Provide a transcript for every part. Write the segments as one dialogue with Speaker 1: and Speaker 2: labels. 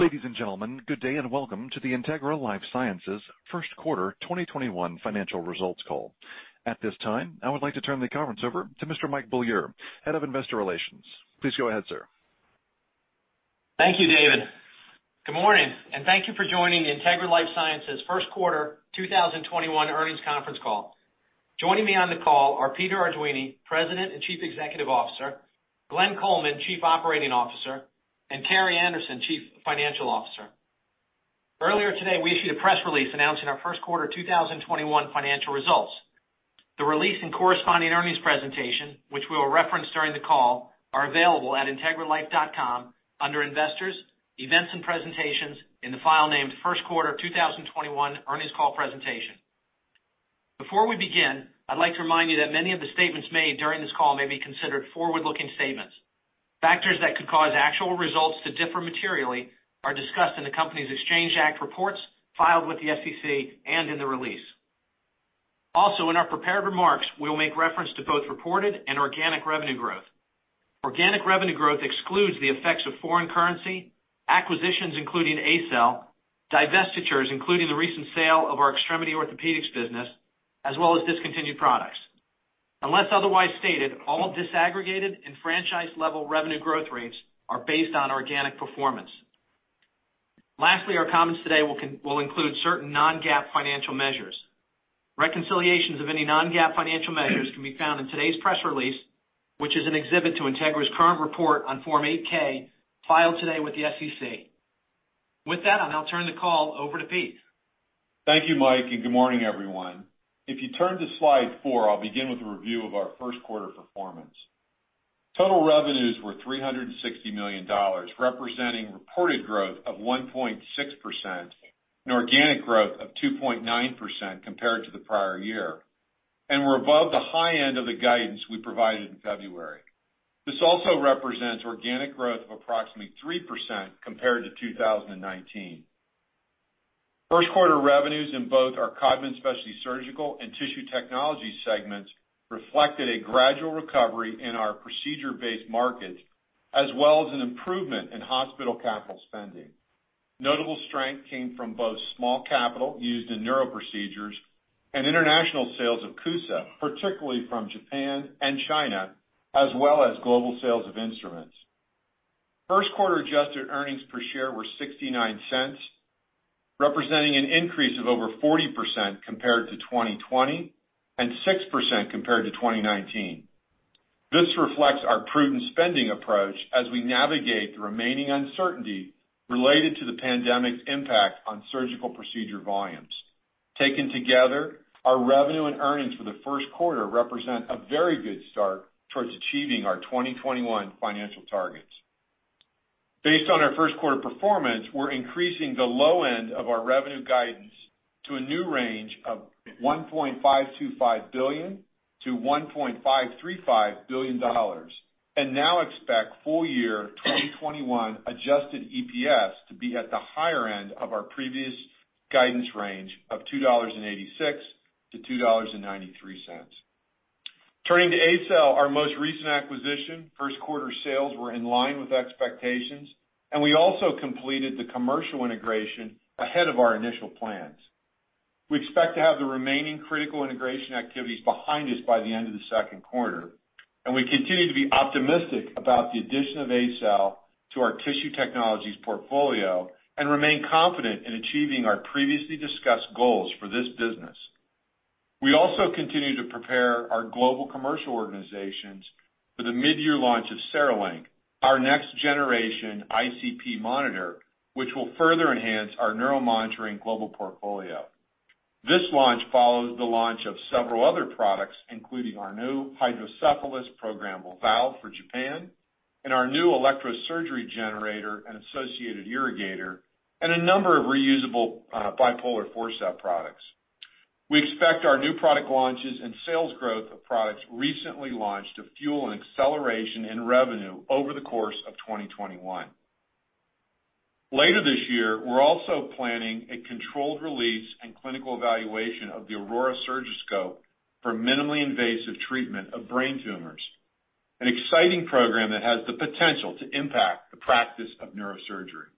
Speaker 1: Ladies and gentlemen, good day and welcome to the Integra LifeSciences First Quarter 2021 financial results call. At this time, I would like to turn the conference over to Mr. Mike Beaulieu, Head of Investor Relations. Please go ahead, sir.
Speaker 2: Thank you, David. Good morning, and thank you for joining Integra LifeSciences' first quarter 2021 earnings conference call. Joining me on the call are Peter Arduini, President and Chief Executive Officer, Glenn Coleman, Chief Operating Officer, and Carrie Anderson, Chief Financial Officer. Earlier today, we issued a press release announcing our first quarter 2021 financial results. The release and corresponding earnings presentation, which we will reference during the call, are available at integralife.com under Investors, Events and Presentations in the file named First Quarter 2021 Earnings Call Presentation. Before we begin, I'd like to remind you that many of the statements made during this call may be considered forward-looking statements. Factors that could cause actual results to differ materially are discussed in the company's Exchange Act reports filed with the SEC and in the release. In our prepared remarks, we'll make reference to both reported and organic revenue growth. Organic revenue growth excludes the effects of foreign currency, acquisitions, including ACell, divestitures, including the recent sale of our extremity orthopedics business, as well as discontinued products. Unless otherwise stated, all disaggregated and franchise-level revenue growth rates are based on organic performance. Lastly, our comments today will include certain non-GAAP financial measures. Reconciliations of any non-GAAP financial measures can be found in today's press release, which is an exhibit to Integra's current report on Form 8-K filed today with the SEC. With that, I'll now turn the call over to Pete.
Speaker 3: Thank you, Mike, good morning, everyone. If you turn to slide four, I'll begin with a review of our first quarter performance. Total revenues were $360 million, representing reported growth of 1.6% and organic growth of 2.9% compared to the prior year. We're above the high end of the guidance we provided in February. This also represents organic growth of approximately 3% compared to 2019. First quarter revenues in both our Codman Specialty Surgical and Tissue Technologies segments reflected a gradual recovery in our procedure-based markets, as well as an improvement in hospital capital spending. Notable strength came from both small capital used in neural procedures and international sales of CUSA, particularly from Japan and China, as well as global sales of instruments. First quarter adjusted earnings per share were $0.69, representing an increase of over 40% compared to 2020, and 6% compared to 2019. This reflects our prudent spending approach as we navigate the remaining uncertainty related to the pandemic's impact on surgical procedure volumes. Taken together, our revenue and earnings for the first quarter represent a very good start towards achieving our 2021 financial targets. Based on our first quarter performance, we're increasing the low end of our revenue guidance to a new range of $1.525 billion-$1.535 billion and now expect full year 2021 adjusted EPS to be at the higher end of our previous guidance range of $2.86-$2.93. Turning to ACell, our most recent acquisition, first quarter sales were in line with expectations, and we also completed the commercial integration ahead of our initial plans. We expect to have the remaining critical integration activities behind us by the end of the second quarter, and we continue to be optimistic about the addition of ACell to our Tissue Technologies portfolio and remain confident in achieving our previously discussed goals for this business. We also continue to prepare our global commercial organizations for the midyear launch of CereLink, our next generation ICP monitor, which will further enhance our neuromonitoring global portfolio. This launch follows the launch of several other products, including our new hydrocephalus programmable valve for Japan and our new electrosurgery generator and associated irrigator and a number of reusable bipolar forcep products. We expect our new product launches and sales growth of products recently launched to fuel an acceleration in revenue over the course of 2021. Later this year, we're also planning a controlled release and clinical evaluation of the Aurora Surgiscope for minimally invasive treatment of brain tumors, an exciting program that has the potential to impact the practice of neurosurgery.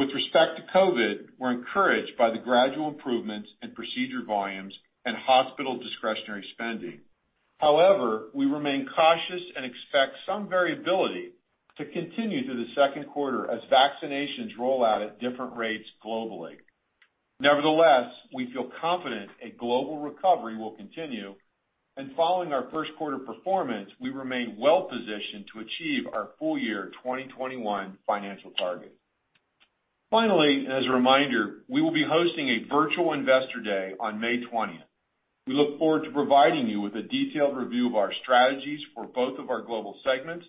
Speaker 3: With respect to COVID, we're encouraged by the gradual improvements in procedure volumes and hospital discretionary spending. However, we remain cautious and expect some variability to continue through the second quarter as vaccinations roll out at different rates globally. Nevertheless, we feel confident a global recovery will continue, and following our first quarter performance, we remain well positioned to achieve our full year 2021 financial target. Finally, as a reminder, we will be hosting a virtual investor day on May 20th. We look forward to providing you with a detailed review of our strategies for both of our global segments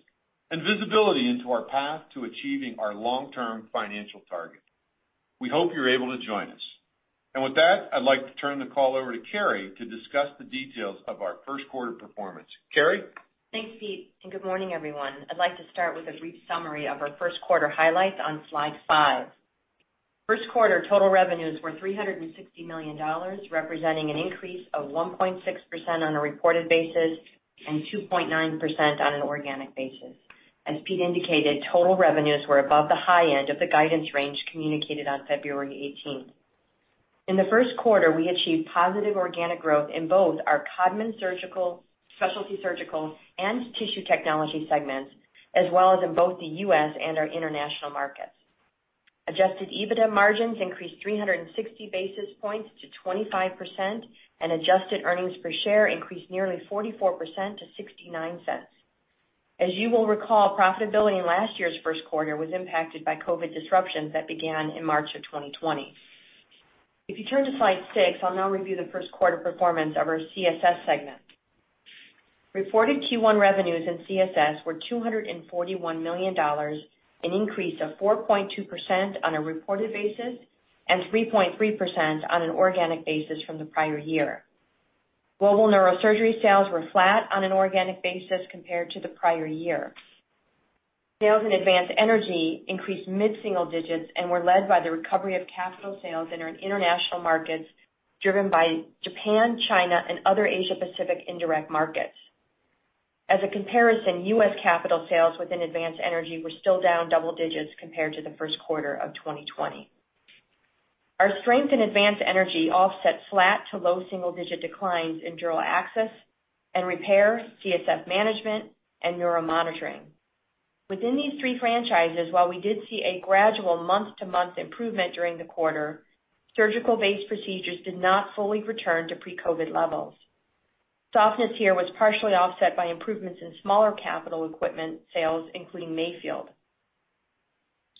Speaker 3: and visibility into our path to achieving our long-term financial target. We hope you're able to join us. With that, I'd like to turn the call over to Carrie to discuss the details of our first quarter performance. Carrie?
Speaker 4: Thanks, Pete, and good morning, everyone. I'd like to start with a brief summary of our first quarter highlights on slide five. First quarter total revenues were $360 million, representing an increase of 1.6% on a reported basis and 2.9% on an organic basis. As Pete indicated, total revenues were above the high end of the guidance range communicated on February 18th. In the first quarter, we achieved positive organic growth in both our Codman Specialty Surgical and Tissue Technologies segments, as well as in both the U.S. and our international markets. Adjusted EBITDA margins increased 360 basis points to 25%, and adjusted earnings per share increased nearly 44% to $0.69. As you will recall, profitability in last year's first quarter was impacted by COVID disruptions that began in March of 2020. If you turn to slide six, I will now review the first quarter performance of our CSS segment. Reported Q1 revenues in CSS were $241 million, an increase of 4.2% on a reported basis and 3.3% on an organic basis from the prior year. Global neurosurgery sales were flat on an organic basis compared to the prior year. Sales in advanced energy increased mid-single digits and were led by the recovery of capital sales in our international markets, driven by Japan, China, and other Asia-Pacific indirect markets. As a comparison, U.S. capital sales within advanced energy were still down double digits compared to the first quarter of 2020. Our strength in advanced energy offset flat to low double-digit declines in dural access and repair, CSF management, and neuromonitoring. Within these three franchises, while we did see a gradual month-to-month improvement during the quarter, surgical-based procedures did not fully return to pre-COVID levels. Softness here was partially offset by improvements in smaller capital equipment sales, including MAYFIELD.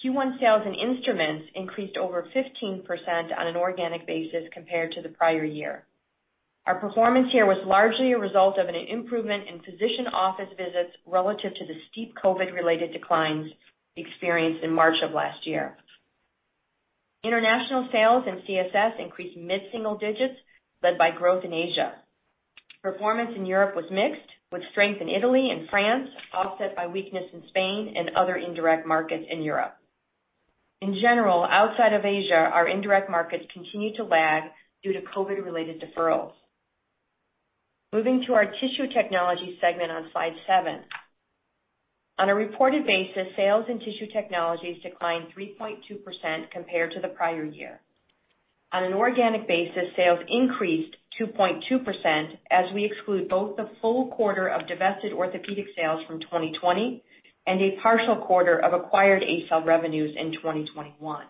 Speaker 4: Q1 sales and instruments increased over 15% on an organic basis compared to the prior year. Our performance here was largely a result of an improvement in physician office visits relative to the steep COVID-related declines experienced in March of last year. International sales in CSS increased mid-single digits, led by growth in Asia. Performance in Europe was mixed, with strength in Italy and France offset by weakness in Spain and other indirect markets in Europe. In general, outside of Asia, our indirect markets continue to lag due to COVID-related deferrals. Moving to our Tissue Technologies segment on slide seven. On a reported basis, sales in Tissue Technologies declined 3.2% compared to the prior year. On an organic basis, sales increased 2.2% as we exclude both the full quarter of divested orthopedic sales from 2020 and a partial quarter of acquired ACell revenues in 2021.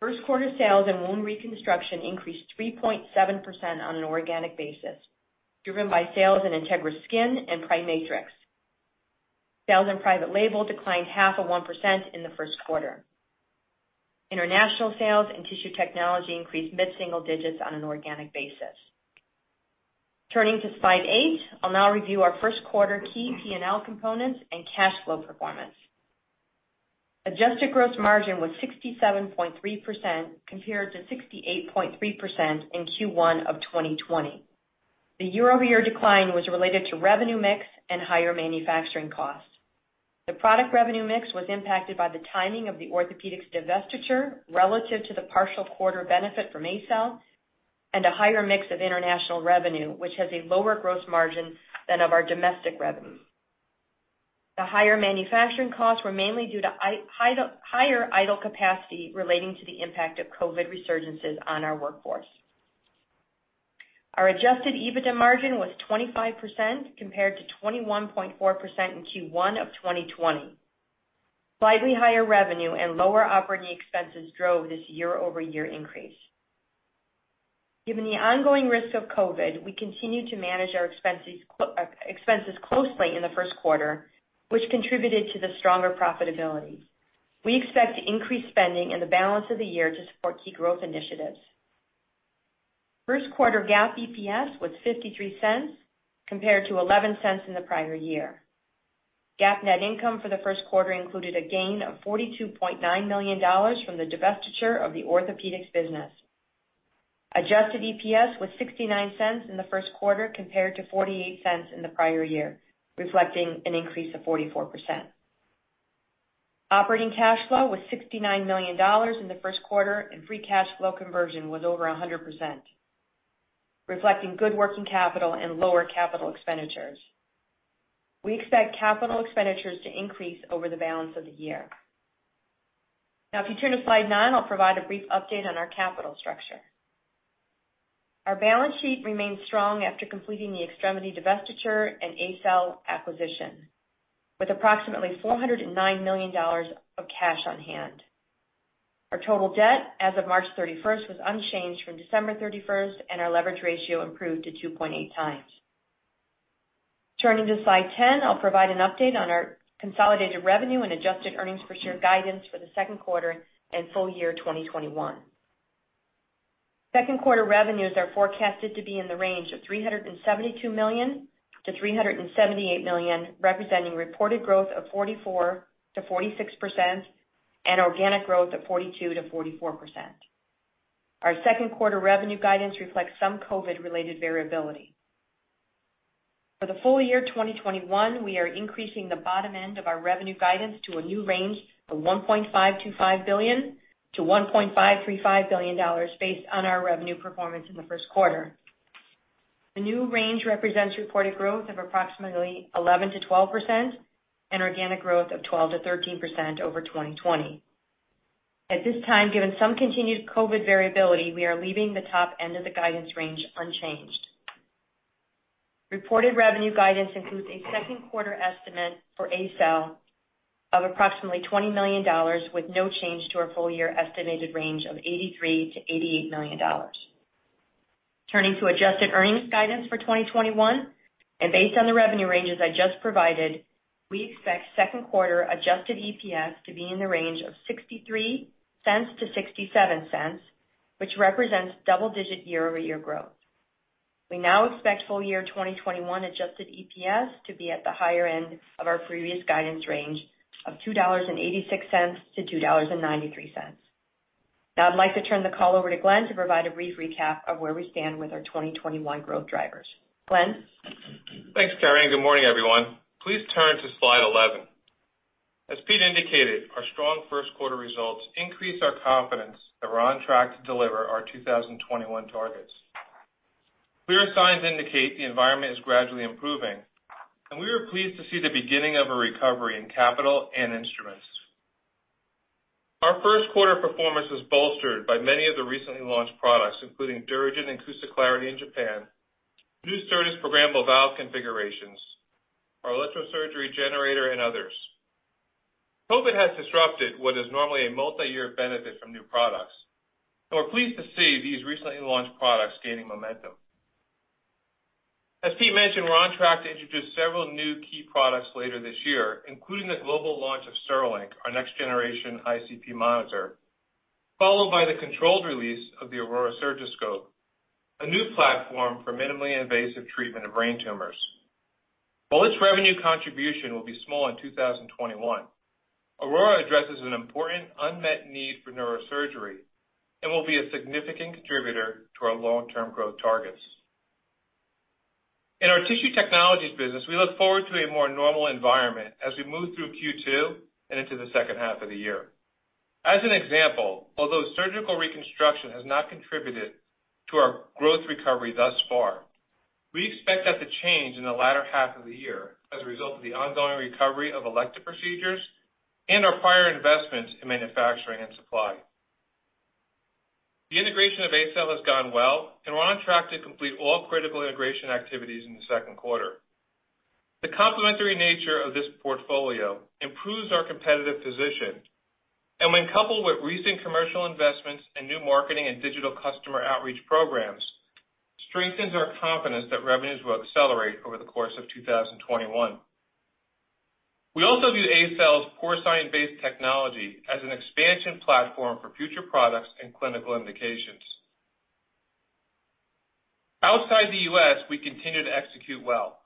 Speaker 4: First quarter sales in wound reconstruction increased 3.7% on an organic basis, driven by sales in Integra Skin and PriMatrix. Sales in private label declined half of 1% in the first quarter. International sales in Tissue Technologies increased mid-single digits on an organic basis. Turning to slide eight, I'll now review our first quarter key P&L components and cash flow performance. Adjusted gross margin was 67.3% compared to 68.3% in Q1 of 2020. The year-over-year decline was related to revenue mix and higher manufacturing costs. The product revenue mix was impacted by the timing of the orthopedics divestiture relative to the partial quarter benefit from ACell and a higher mix of international revenue, which has a lower gross margin than of our domestic revenue. The higher manufacturing costs were mainly due to higher idle capacity relating to the impact of COVID resurgences on our workforce. Our adjusted EBITDA margin was 25% compared to 21.4% in Q1 of 2020. Slightly higher revenue and lower operating expenses drove this year-over-year increase. Given the ongoing risk of COVID, we continue to manage our expenses closely in the first quarter, which contributed to the stronger profitability. We expect increased spending in the balance of the year to support key growth initiatives. First quarter GAAP EPS was $0.53 compared to $0.11 in the prior year. GAAP net income for the first quarter included a gain of $42.9 million from the divestiture of the orthopedics business. Adjusted EPS was $0.69 in the first quarter, compared to $0.48 in the prior year, reflecting an increase of 44%. Operating cash flow was $69 million in the first quarter, and free cash flow conversion was over 100%, reflecting good working capital and lower capital expenditures. We expect capital expenditures to increase over the balance of the year. If you turn to slide nine, I'll provide a brief update on our capital structure. Our balance sheet remains strong after completing the extremity divestiture and ACell acquisition, with approximately $409 million of cash on hand. Our total debt as of March 31st was unchanged from December 31st, and our leverage ratio improved to 2.8x. Turning to slide 10, I'll provide an update on our consolidated revenue and adjusted earnings per share guidance for the second quarter and full year 2021. Second quarter revenues are forecasted to be in the range of $372 million to $378 million, representing reported growth of 44%-46% and organic growth of 42%-44%. Our second quarter revenue guidance reflects some COVID-related variability. For the full year 2021, we are increasing the bottom end of our revenue guidance to a new range from $1.525 billion-$1.535 billion based on our revenue performance in the first quarter. The new range represents reported growth of approximately 11%-12% and organic growth of 12%-13% over 2020. At this time, given some continued COVID variability, we are leaving the top end of the guidance range unchanged. Reported revenue guidance includes a second quarter estimate for ACell of approximately $20 million with no change to our full-year estimated range of $83 million-$88 million. Turning to adjusted earnings guidance for 2021, and based on the revenue ranges I just provided, we expect second quarter adjusted EPS to be in the range of $0.63-$0.67, which represents double-digit year-over-year growth. We now expect full year 2021 adjusted EPS to be at the higher end of our previous guidance range of $2.86-$2.93. I'd like to turn the call over to Glenn to provide a brief recap of where we stand with our 2021 growth drivers. Glenn?
Speaker 5: Thanks, Carrie, and good morning, everyone. Please turn to slide 11. As Pete indicated, our strong first quarter results increase our confidence that we're on track to deliver our 2021 targets. Clear signs indicate the environment is gradually improving. We are pleased to see the beginning of a recovery in capital and instruments. Our first quarter performance is bolstered by many of the recently launched products, including DuraGen and CUSA Clarity in Japan, new CERTAS Plus programmable valve configurations, our electrosurgery generator, and others. COVID has disrupted what is normally a multi-year benefit from new products. We're pleased to see these recently launched products gaining momentum. As Pete mentioned, we're on track to introduce several new key products later this year, including the global launch of CereLink, our next-generation ICP monitor, followed by the controlled release of the Aurora Surgiscope, a new platform for minimally invasive treatment of brain tumors. While its revenue contribution will be small in 2021, Aurora addresses an important unmet need for neurosurgery and will be a significant contributor to our long-term growth targets. In our Tissue Technologies business, we look forward to a more normal environment as we move through Q2 and into the second half of the year. As an example, although surgical reconstruction has not contributed to our growth recovery thus far, we expect that to change in the latter half of the year as a result of the ongoing recovery of elective procedures and our prior investments in manufacturing and supply. The integration of ACell has gone well, and we're on track to complete all critical integration activities in the second quarter. The complementary nature of this portfolio improves our competitive position, and when coupled with recent commercial investments and new marketing and digital customer outreach programs, strengthens our confidence that revenues will accelerate over the course of 2021. We also view ACell's porcine-based technology as an expansion platform for future products and clinical indications. Outside the U.S., we continue to execute well.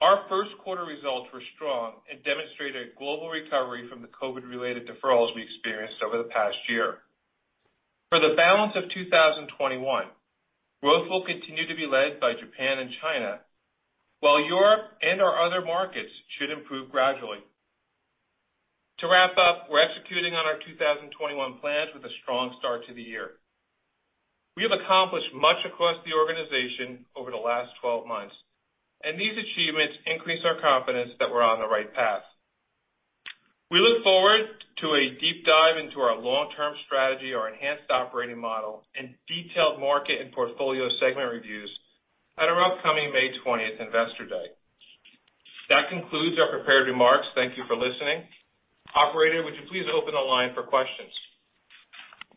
Speaker 5: Our first quarter results were strong and demonstrated global recovery from the COVID-related deferrals we experienced over the past year. For the balance of 2021, growth will continue to be led by Japan and China, while Europe and our other markets should improve gradually. To wrap up, we're executing on our 2021 plans with a strong start to the year. We have accomplished much across the organization over the last 12 months, and these achievements increase our confidence that we're on the right path. We look forward to a deep dive into our long-term strategy, our enhanced operating model, and detailed market and portfolio segment reviews at our upcoming May 20th Investor Day. That concludes our prepared remarks. Thank you for listening. Operator, would you please open the line for questions?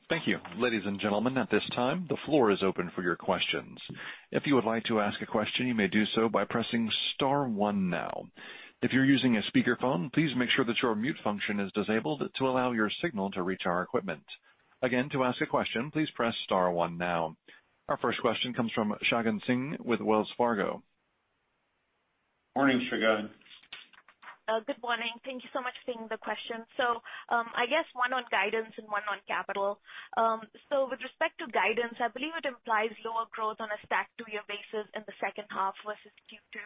Speaker 1: Thank you. Ladies and gentlemen, at this time, the floor is open for your questions. If you would like to ask a question, you may do so by pressing star one now. If you're using a speakerphone, please make sure that your mute function is disabled to allow your signal to reach our equipment. Again, to ask a question, please press star one now. Our first question comes from Shagun Singh with Wells Fargo.
Speaker 3: Morning, Shagun.
Speaker 6: Good morning. Thank you so much for taking the question. I guess one on guidance and one on capital. With respect to guidance, I believe it implies lower growth on a stack two-year basis in the second half versus Q2.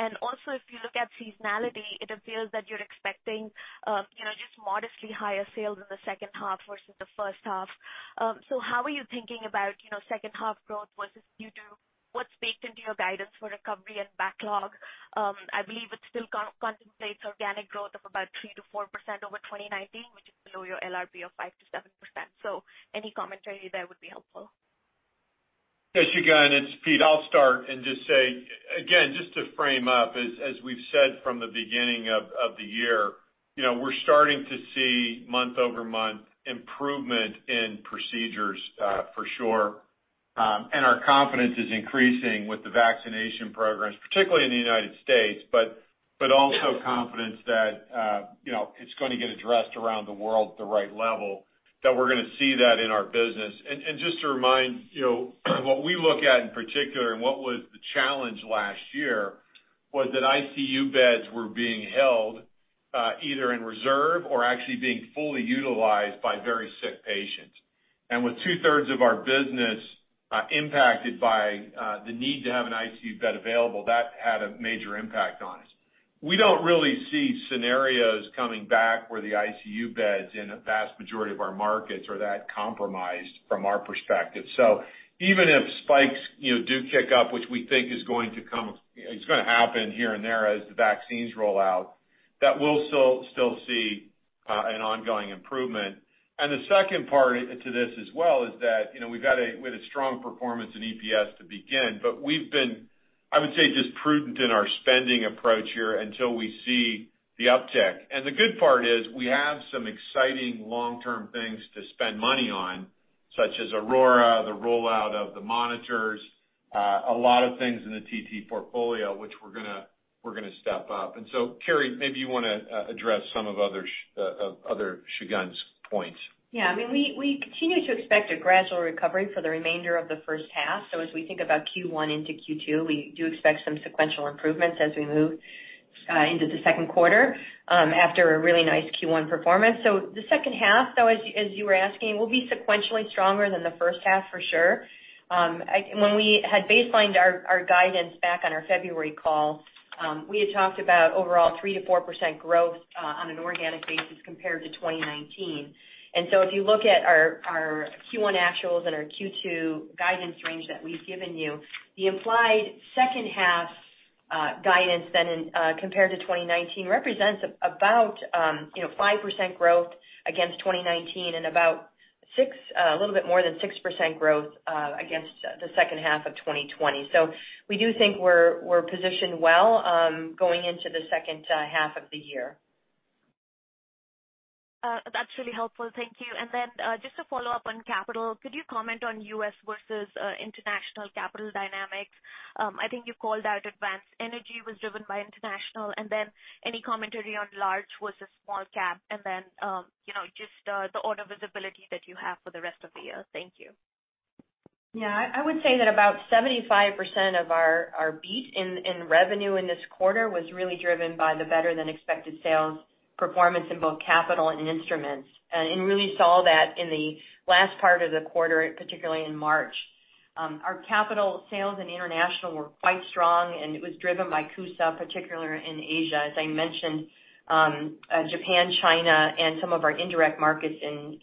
Speaker 6: If you look at seasonality, it appears that you're expecting just modestly higher sales in the second half versus the first half. How are you thinking about second half growth versus Q2? What's baked into your guidance for recovery and backlog? I believe it still contemplates organic growth of about 3%-4% over 2019, which is below your LRP of 5%-7%. Any commentary there would be helpful.
Speaker 3: Yes, Shagun, it's Pete. I'll start and just say, again, just to frame up, as we've said from the beginning of the year, we're starting to see month-over-month improvement in procedures for sure. Our confidence is increasing with the vaccination programs, particularly in the United States, but also confidence that it's going to get addressed around the world at the right level, that we're going to see that in our business. Just to remind, what we look at in particular and what was the challenge last year was that ICU beds were being held either in reserve or actually being fully utilized by very sick patients. With 2/3 of our business impacted by the need to have an ICU bed available, that had a major impact on us. We don't really see scenarios coming back where the ICU beds in a vast majority of our markets are that compromised from our perspective. Even if spikes do kick up, which we think is going to happen here and there as the vaccines roll out, we'll still see an ongoing improvement. The second part to this as well is that, we had a strong performance in EPS to begin, but we've been, I would say, just prudent in our spending approach here until we see the uptick. The good part is we have some exciting long-term things to spend money on, such as Aurora, the rollout of the monitors, a lot of things in the Tissue Technologies portfolio, which we're going to step up. Carrie, maybe you want to address some of other Shagun's points.
Speaker 4: Yeah. We continue to expect a gradual recovery for the remainder of the first half. As we think about Q1 into Q2, we do expect some sequential improvements as we move into the second quarter, after a really nice Q1 performance. The second half, though, as you were asking, will be sequentially stronger than the first half for sure. When we had baselined our guidance back on our February call, we had talked about overall 3%-4% growth on an organic basis compared to 2019. If you look at our Q1 actuals and our Q2 guidance range that we've given you, the implied second half guidance then compared to 2019 represents about 5% growth against 2019 and about a little bit more than 6% growth against the second half of 2020. We do think we're positioned well going into the second half of the year.
Speaker 6: That's really helpful. Thank you. Just a follow-up on capital. Could you comment on U.S. versus international capital dynamics? I think you called out advanced energy was driven by international, and then any commentary on large versus small cap, and then, just the order visibility that you have for the rest of the year. Thank you.
Speaker 4: Yeah. I would say that about 75% of our beat in revenue in this quarter was really driven by the better-than-expected sales performance in both capital and instruments. Really saw that in the last part of the quarter, particularly in March. Our capital sales in international were quite strong, and it was driven by CUSA, particularly in Asia. As I mentioned, Japan, China, and some of our indirect markets in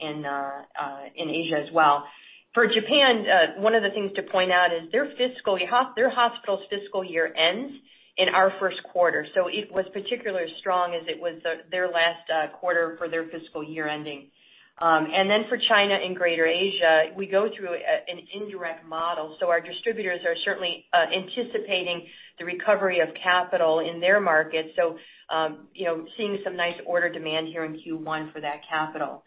Speaker 4: Asia as well. For Japan, one of the things to point out is their hospital's fiscal year ends in our first quarter. It was particularly strong as it was their last quarter for their fiscal year ending. For China and Greater Asia, we go through an indirect model. Our distributors are certainly anticipating the recovery of capital in their market, so seeing some nice order demand here in Q1 for that capital.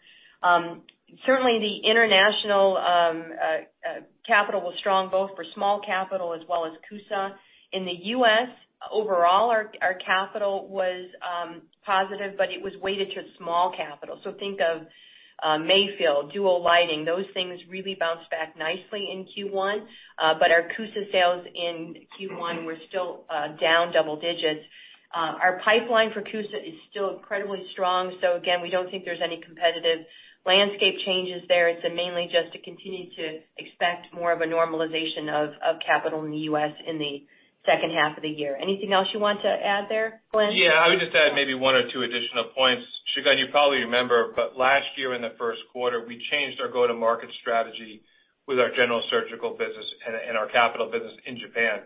Speaker 4: Certainly, the international capital was strong both for small capital as well as CUSA. In the U.S., overall, our capital was positive, but it was weighted to small capital. Think of MAYFIELD, Duo LED. Those things really bounced back nicely in Q1. Our CUSA sales in Q1 were still down double digits. Our pipeline for CUSA is still incredibly strong, so again, we don't think there's any competitive landscape changes there. It's mainly just to continue to expect more of a normalization of capital in the U.S. in the second half of the year. Anything else you want to add there, Glenn?
Speaker 5: Yeah. I would just add maybe one or two additional points. Shagun, you probably remember, last year in the first quarter, we changed our go-to-market strategy with our general surgical business and our capital business in Japan.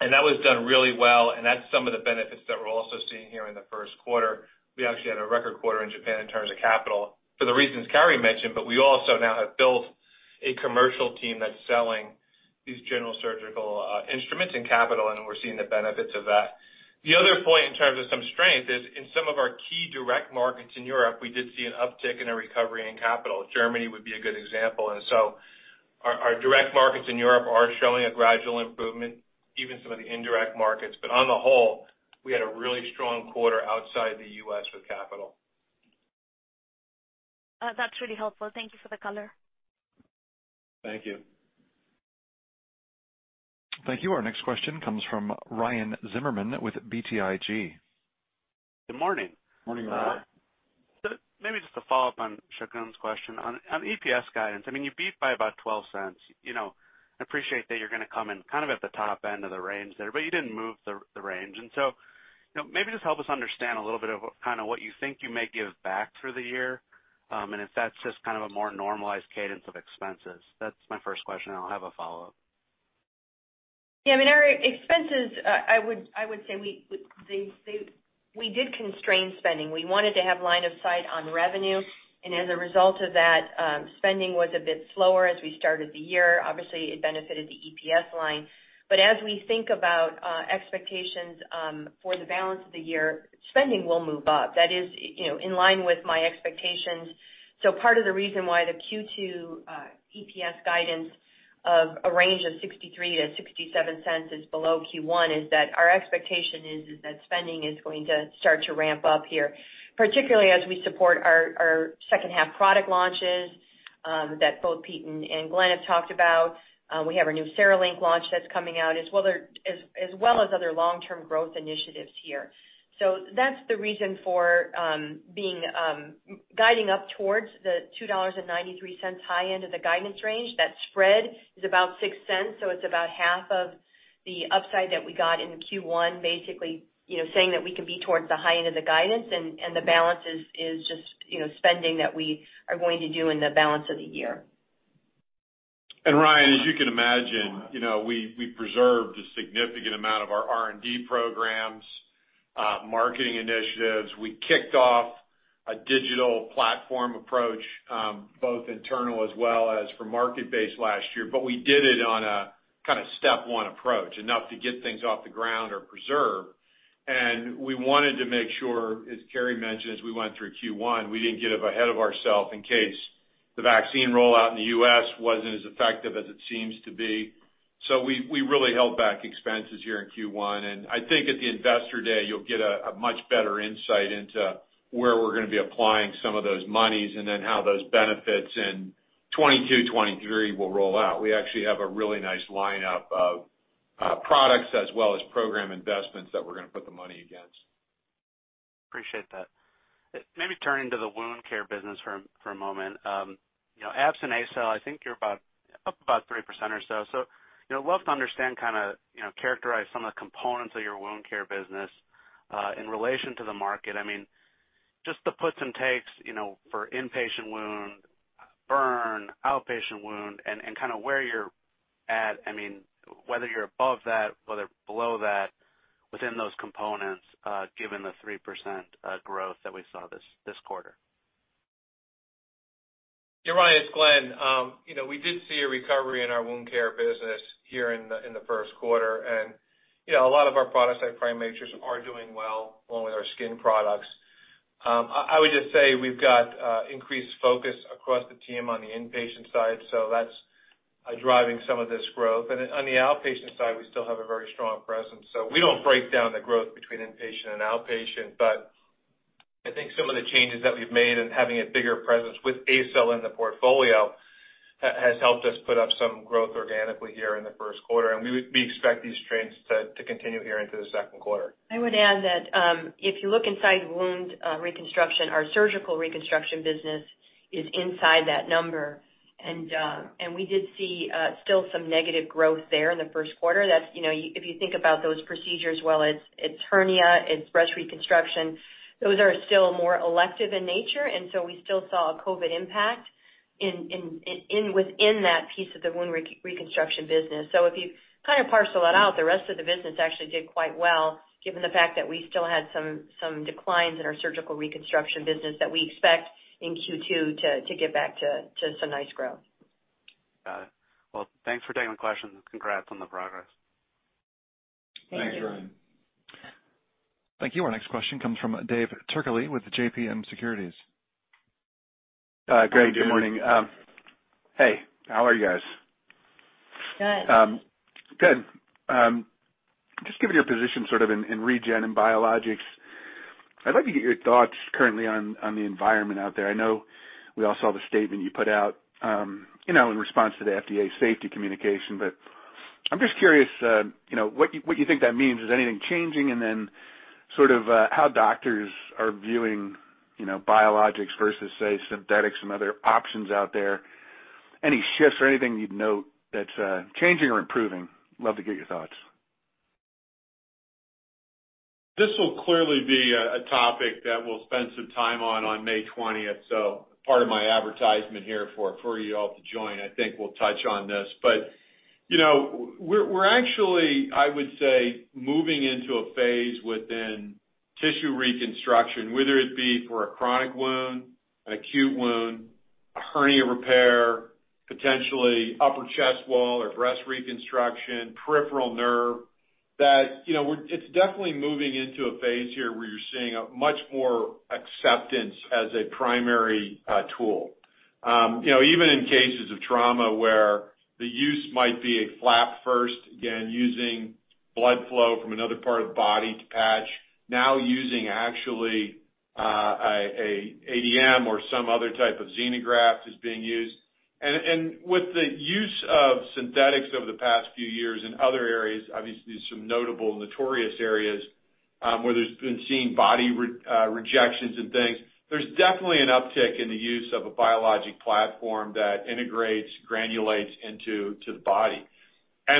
Speaker 5: That was done really well, and that's some of the benefits that we're also seeing here in the first quarter. We actually had a record quarter in Japan in terms of capital for the reasons Carrie mentioned, we also now have built a commercial team that's selling these general surgical instruments and capital, and we're seeing the benefits of that. The other point in terms of some strength is in some of our key direct markets in Europe, we did see an uptick and a recovery in capital. Germany would be a good example. Our direct markets in Europe are showing a gradual improvement, even some of the indirect markets. On the whole, we had a really strong quarter outside the U.S. with capital.
Speaker 6: That's really helpful. Thank you for the color.
Speaker 3: Thank you.
Speaker 1: Thank you. Our next question comes from Ryan Zimmerman with BTIG.
Speaker 7: Good morning.
Speaker 3: Morning, Ryan.
Speaker 7: Maybe just to follow up on Shagun's question on EPS guidance. You beat by about $0.12. I appreciate that you're going to come in kind of at the top end of the range there, but you didn't move the range. Maybe just help us understand a little bit of kind of what you think you may give back through the year, and if that's just kind of a more normalized cadence of expenses. That's my first question, and I'll have a follow-up.
Speaker 4: Yeah, our expenses, I would say we did constrain spending. We wanted to have line of sight on revenue. As a result of that, spending was a bit slower as we started the year. Obviously, it benefited the EPS line. As we think about expectations for the balance of the year, spending will move up. That is in line with my expectations. Part of the reason why the Q2 EPS guidance of a range of $0.63-$0.67 is below Q1 is that our expectation is that spending is going to start to ramp up here, particularly as we support our second half product launches that both Pete and Glenn have talked about. We have our new CereLink launch that's coming out, as well as other long-term growth initiatives here. That's the reason for guiding up towards the $2.93 high end of the guidance range. That spread is about $0.06, so it's about half of the upside that we got in Q1, basically saying that we can be towards the high end of the guidance, and the balance is just spending that we are going to do in the balance of the year.
Speaker 3: Ryan, as you can imagine, we preserved a significant amount of our R&D programs, marketing initiatives. We kicked off a digital platform approach, both internal as well as for market base last year, but we did it on a kind of step one approach, enough to get things off the ground or preserve. We wanted to make sure, as Carrie Anderson mentioned, as we went through Q1, we didn't get up ahead of ourself in case the vaccine rollout in the U.S. wasn't as effective as it seems to be. We really held back expenses here in Q1, and I think at the investor day, you'll get a much better insight into where we're going to be applying some of those monies and then how those benefits in 2022, 2023 will roll out. We actually have a really nice lineup of products as well as program investments that we're going to put the money against.
Speaker 7: Appreciate that. Turning to the wound care business for a moment. Abs and ACell, I think you're up about 3% or so. Love to understand, kind of characterize some of the components of your wound care business, in relation to the market. I mean, just the puts and takes for inpatient wound, burn, outpatient wound, and where you're at. I mean, whether you're above that, whether below that, within those components, given the 3% growth that we saw this quarter.
Speaker 5: Yeah, Ryan, it's Glenn. We did see a recovery in our wound care business here in the first quarter. A lot of our products like PriMatrix are doing well, along with our skin products. I would just say we've got increased focus across the team on the inpatient side, that's driving some of this growth. On the outpatient side, we still have a very strong presence. We don't break down the growth between inpatient and outpatient, I think some of the changes that we've made in having a bigger presence with ACell in the portfolio has helped us put up some growth organically here in the first quarter, we expect these trends to continue here into the second quarter.
Speaker 4: I would add that, if you look inside wound reconstruction, our surgical reconstruction business is inside that number. We did see still some negative growth there in the first quarter. If you think about those procedures, well, it's hernia, it's breast reconstruction. Those are still more elective in nature, and so we still saw a COVID impact within that piece of the wound reconstruction business. If you kind of parcel it out, the rest of the business actually did quite well, given the fact that we still had some declines in our surgical reconstruction business that we expect in Q2 to get back to some nice growth.
Speaker 7: Got it. Well, thanks for taking my questions, and congrats on the progress.
Speaker 4: Thank you.
Speaker 3: Thanks, Ryan.
Speaker 1: Thank you. Our next question comes from Dave Turkaly with the JMP Securities.
Speaker 8: Glenn, good morning. Hey, how are you guys?
Speaker 4: Good.
Speaker 8: Good. Just given your position sort of in regen and biologics, I'd like to get your thoughts currently on the environment out there. I know we all saw the statement you put out in response to the FDA safety communication. I'm just curious what you think that means. Is anything changing? Sort of how doctors are viewing biologics versus, say, synthetics and other options out there. Any shifts or anything you'd note that's changing or improving? Love to get your thoughts.
Speaker 3: This will clearly be a topic that we'll spend some time on May 20th. Part of my advertisement here for you all to join, I think we'll touch on this. We're actually, I would say, moving into a phase within tissue reconstruction, whether it be for a chronic wound, an acute wound, a hernia repair, potentially upper chest wall or breast reconstruction, peripheral nerve. It's definitely moving into a phase here where you're seeing a much more acceptance as a primary tool. Even in cases of trauma where the use might be a flap first, again, using blood flow from another part of the body to patch. Now using actually, ADM or some other type of xenograft is being used. With the use of synthetics over the past few years in other areas, obviously, there's some notable notorious areas, where there's been seen body rejections and things. There's definitely an uptick in the use of a biologic platform that Integrates, granulates into the body.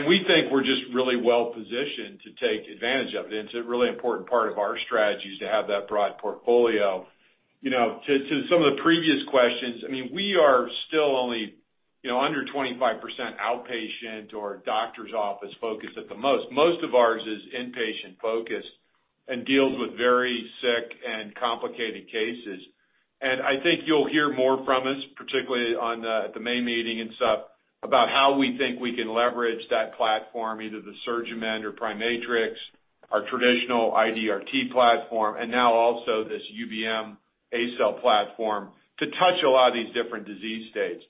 Speaker 3: We think we're just really well positioned to take advantage of it. It's a really important part of our strategy is to have that broad portfolio. To some of the previous questions, I mean, we are still only under 25% outpatient or doctor's office focused at the most. Most of ours is inpatient focused and deals with very sick and complicated cases. I think you'll hear more from us, particularly at the May meeting and stuff, about how we think we can leverage that platform, either the SurgiMend or PriMatrix, our traditional IDRT platform, and now also this UBM ACell platform to touch a lot of these different disease states.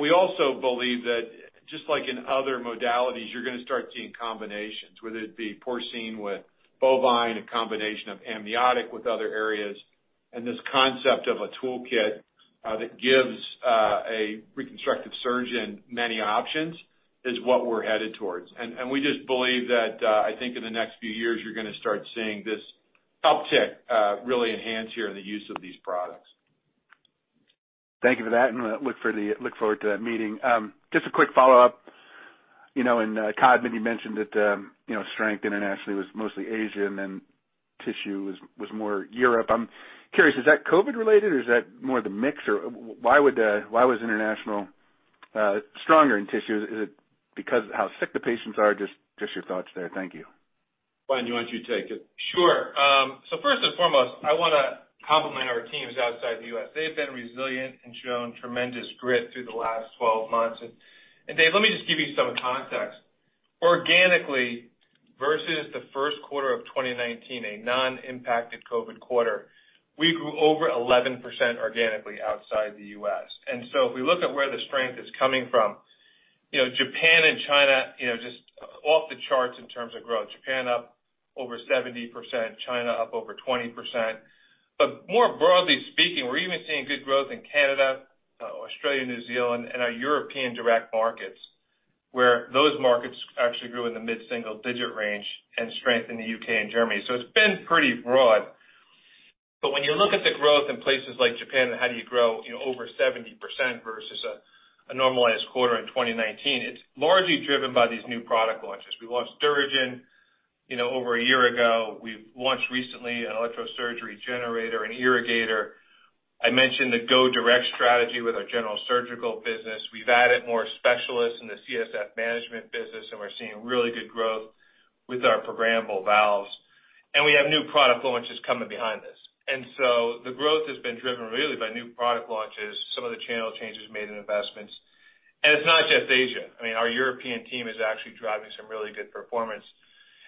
Speaker 3: We also believe that just like in other modalities, you're going to start seeing combinations, whether it be porcine with bovine, a combination of amniotic with other areas. This concept of a toolkit that gives a reconstructive surgeon many options is what we're headed towards. We just believe that, I think in the next few years, you're going to start seeing this uptick really enhance here in the use of these products.
Speaker 8: Thank you for that, and I look forward to that meeting. Just a quick follow-up. Carrie maybe mentioned that strength internationally was mostly Asian, and Tissue was more Europe. I'm curious, is that COVID related or is that more the mix? Why was international stronger in Tissue? Is it because of how sick the patients are? Just your thoughts there. Thank you.
Speaker 3: Glenn, why don't you take it?
Speaker 5: Sure. First and foremost, I want to compliment our teams outside the U.S. They have been resilient and shown tremendous grit through the last 12 months. Dave, let me just give you some context. Organically, versus the first quarter of 2019, a non-impacted COVID quarter, we grew over 11% organically outside the U.S. If we look at where the strength is coming from, Japan and China, just off the charts in terms of growth. Japan up over 70%, China up over 20%. More broadly speaking, we're even seeing good growth in Canada, Australia, New Zealand, and our European direct markets, where those markets actually grew in the mid-single digit range and strength in the U.K. and Germany. It's been pretty broad. When you look at the growth in places like Japan, and how do you grow over 70% versus a normalized quarter in 2019, it's largely driven by these new product launches. We launched DuraGen over a year ago. We've launched recently an electrosurgery generator and irrigator. I mentioned the go direct strategy with our general surgical business. We've added more specialists in the CSF management business, and we're seeing really good growth with our programmable valves. We have new product launches coming behind this. The growth has been driven really by new product launches, some of the channel changes made, and investments. It's not just Asia. Our European team is actually driving some really good performance.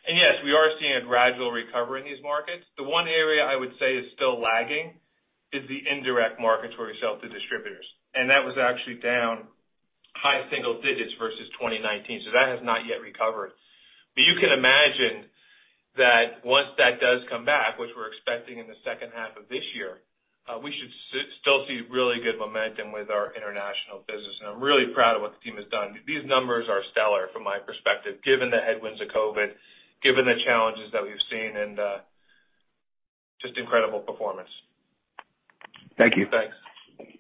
Speaker 5: Yes, we are seeing a gradual recovery in these markets. The one area I would say is still lagging is the indirect markets where we sell to distributors, and that was actually down high single digits versus 2019. That has not yet recovered. You can imagine that once that does come back, which we're expecting in the second half of this year, we should still see really good momentum with our international business. I'm really proud of what the team has done. These numbers are stellar from my perspective, given the headwinds of COVID, given the challenges that we've seen, and just incredible performance.
Speaker 8: Thank you.
Speaker 5: Thanks.
Speaker 3: Thank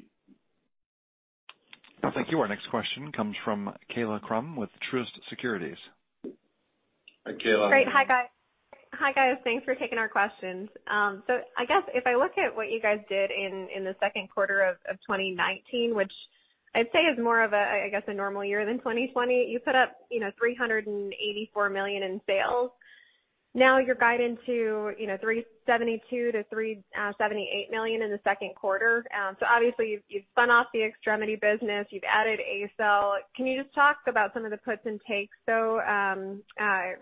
Speaker 3: you.
Speaker 1: Thank you. Our next question comes from Kaila Krum with Truist Securities.
Speaker 3: Hi, Kaila.
Speaker 9: Great. Hi, guys. Thanks for taking our questions. I guess if I look at what you guys did in the second quarter of 2019, which I'd say is more of, I guess, a normal year than 2020, you put up $384 million in sales. Now you're guiding to $372 million-$378 million in the second quarter. Obviously you've spun off the extremity business, you've added ACell. Can you just talk about some of the puts and takes, though,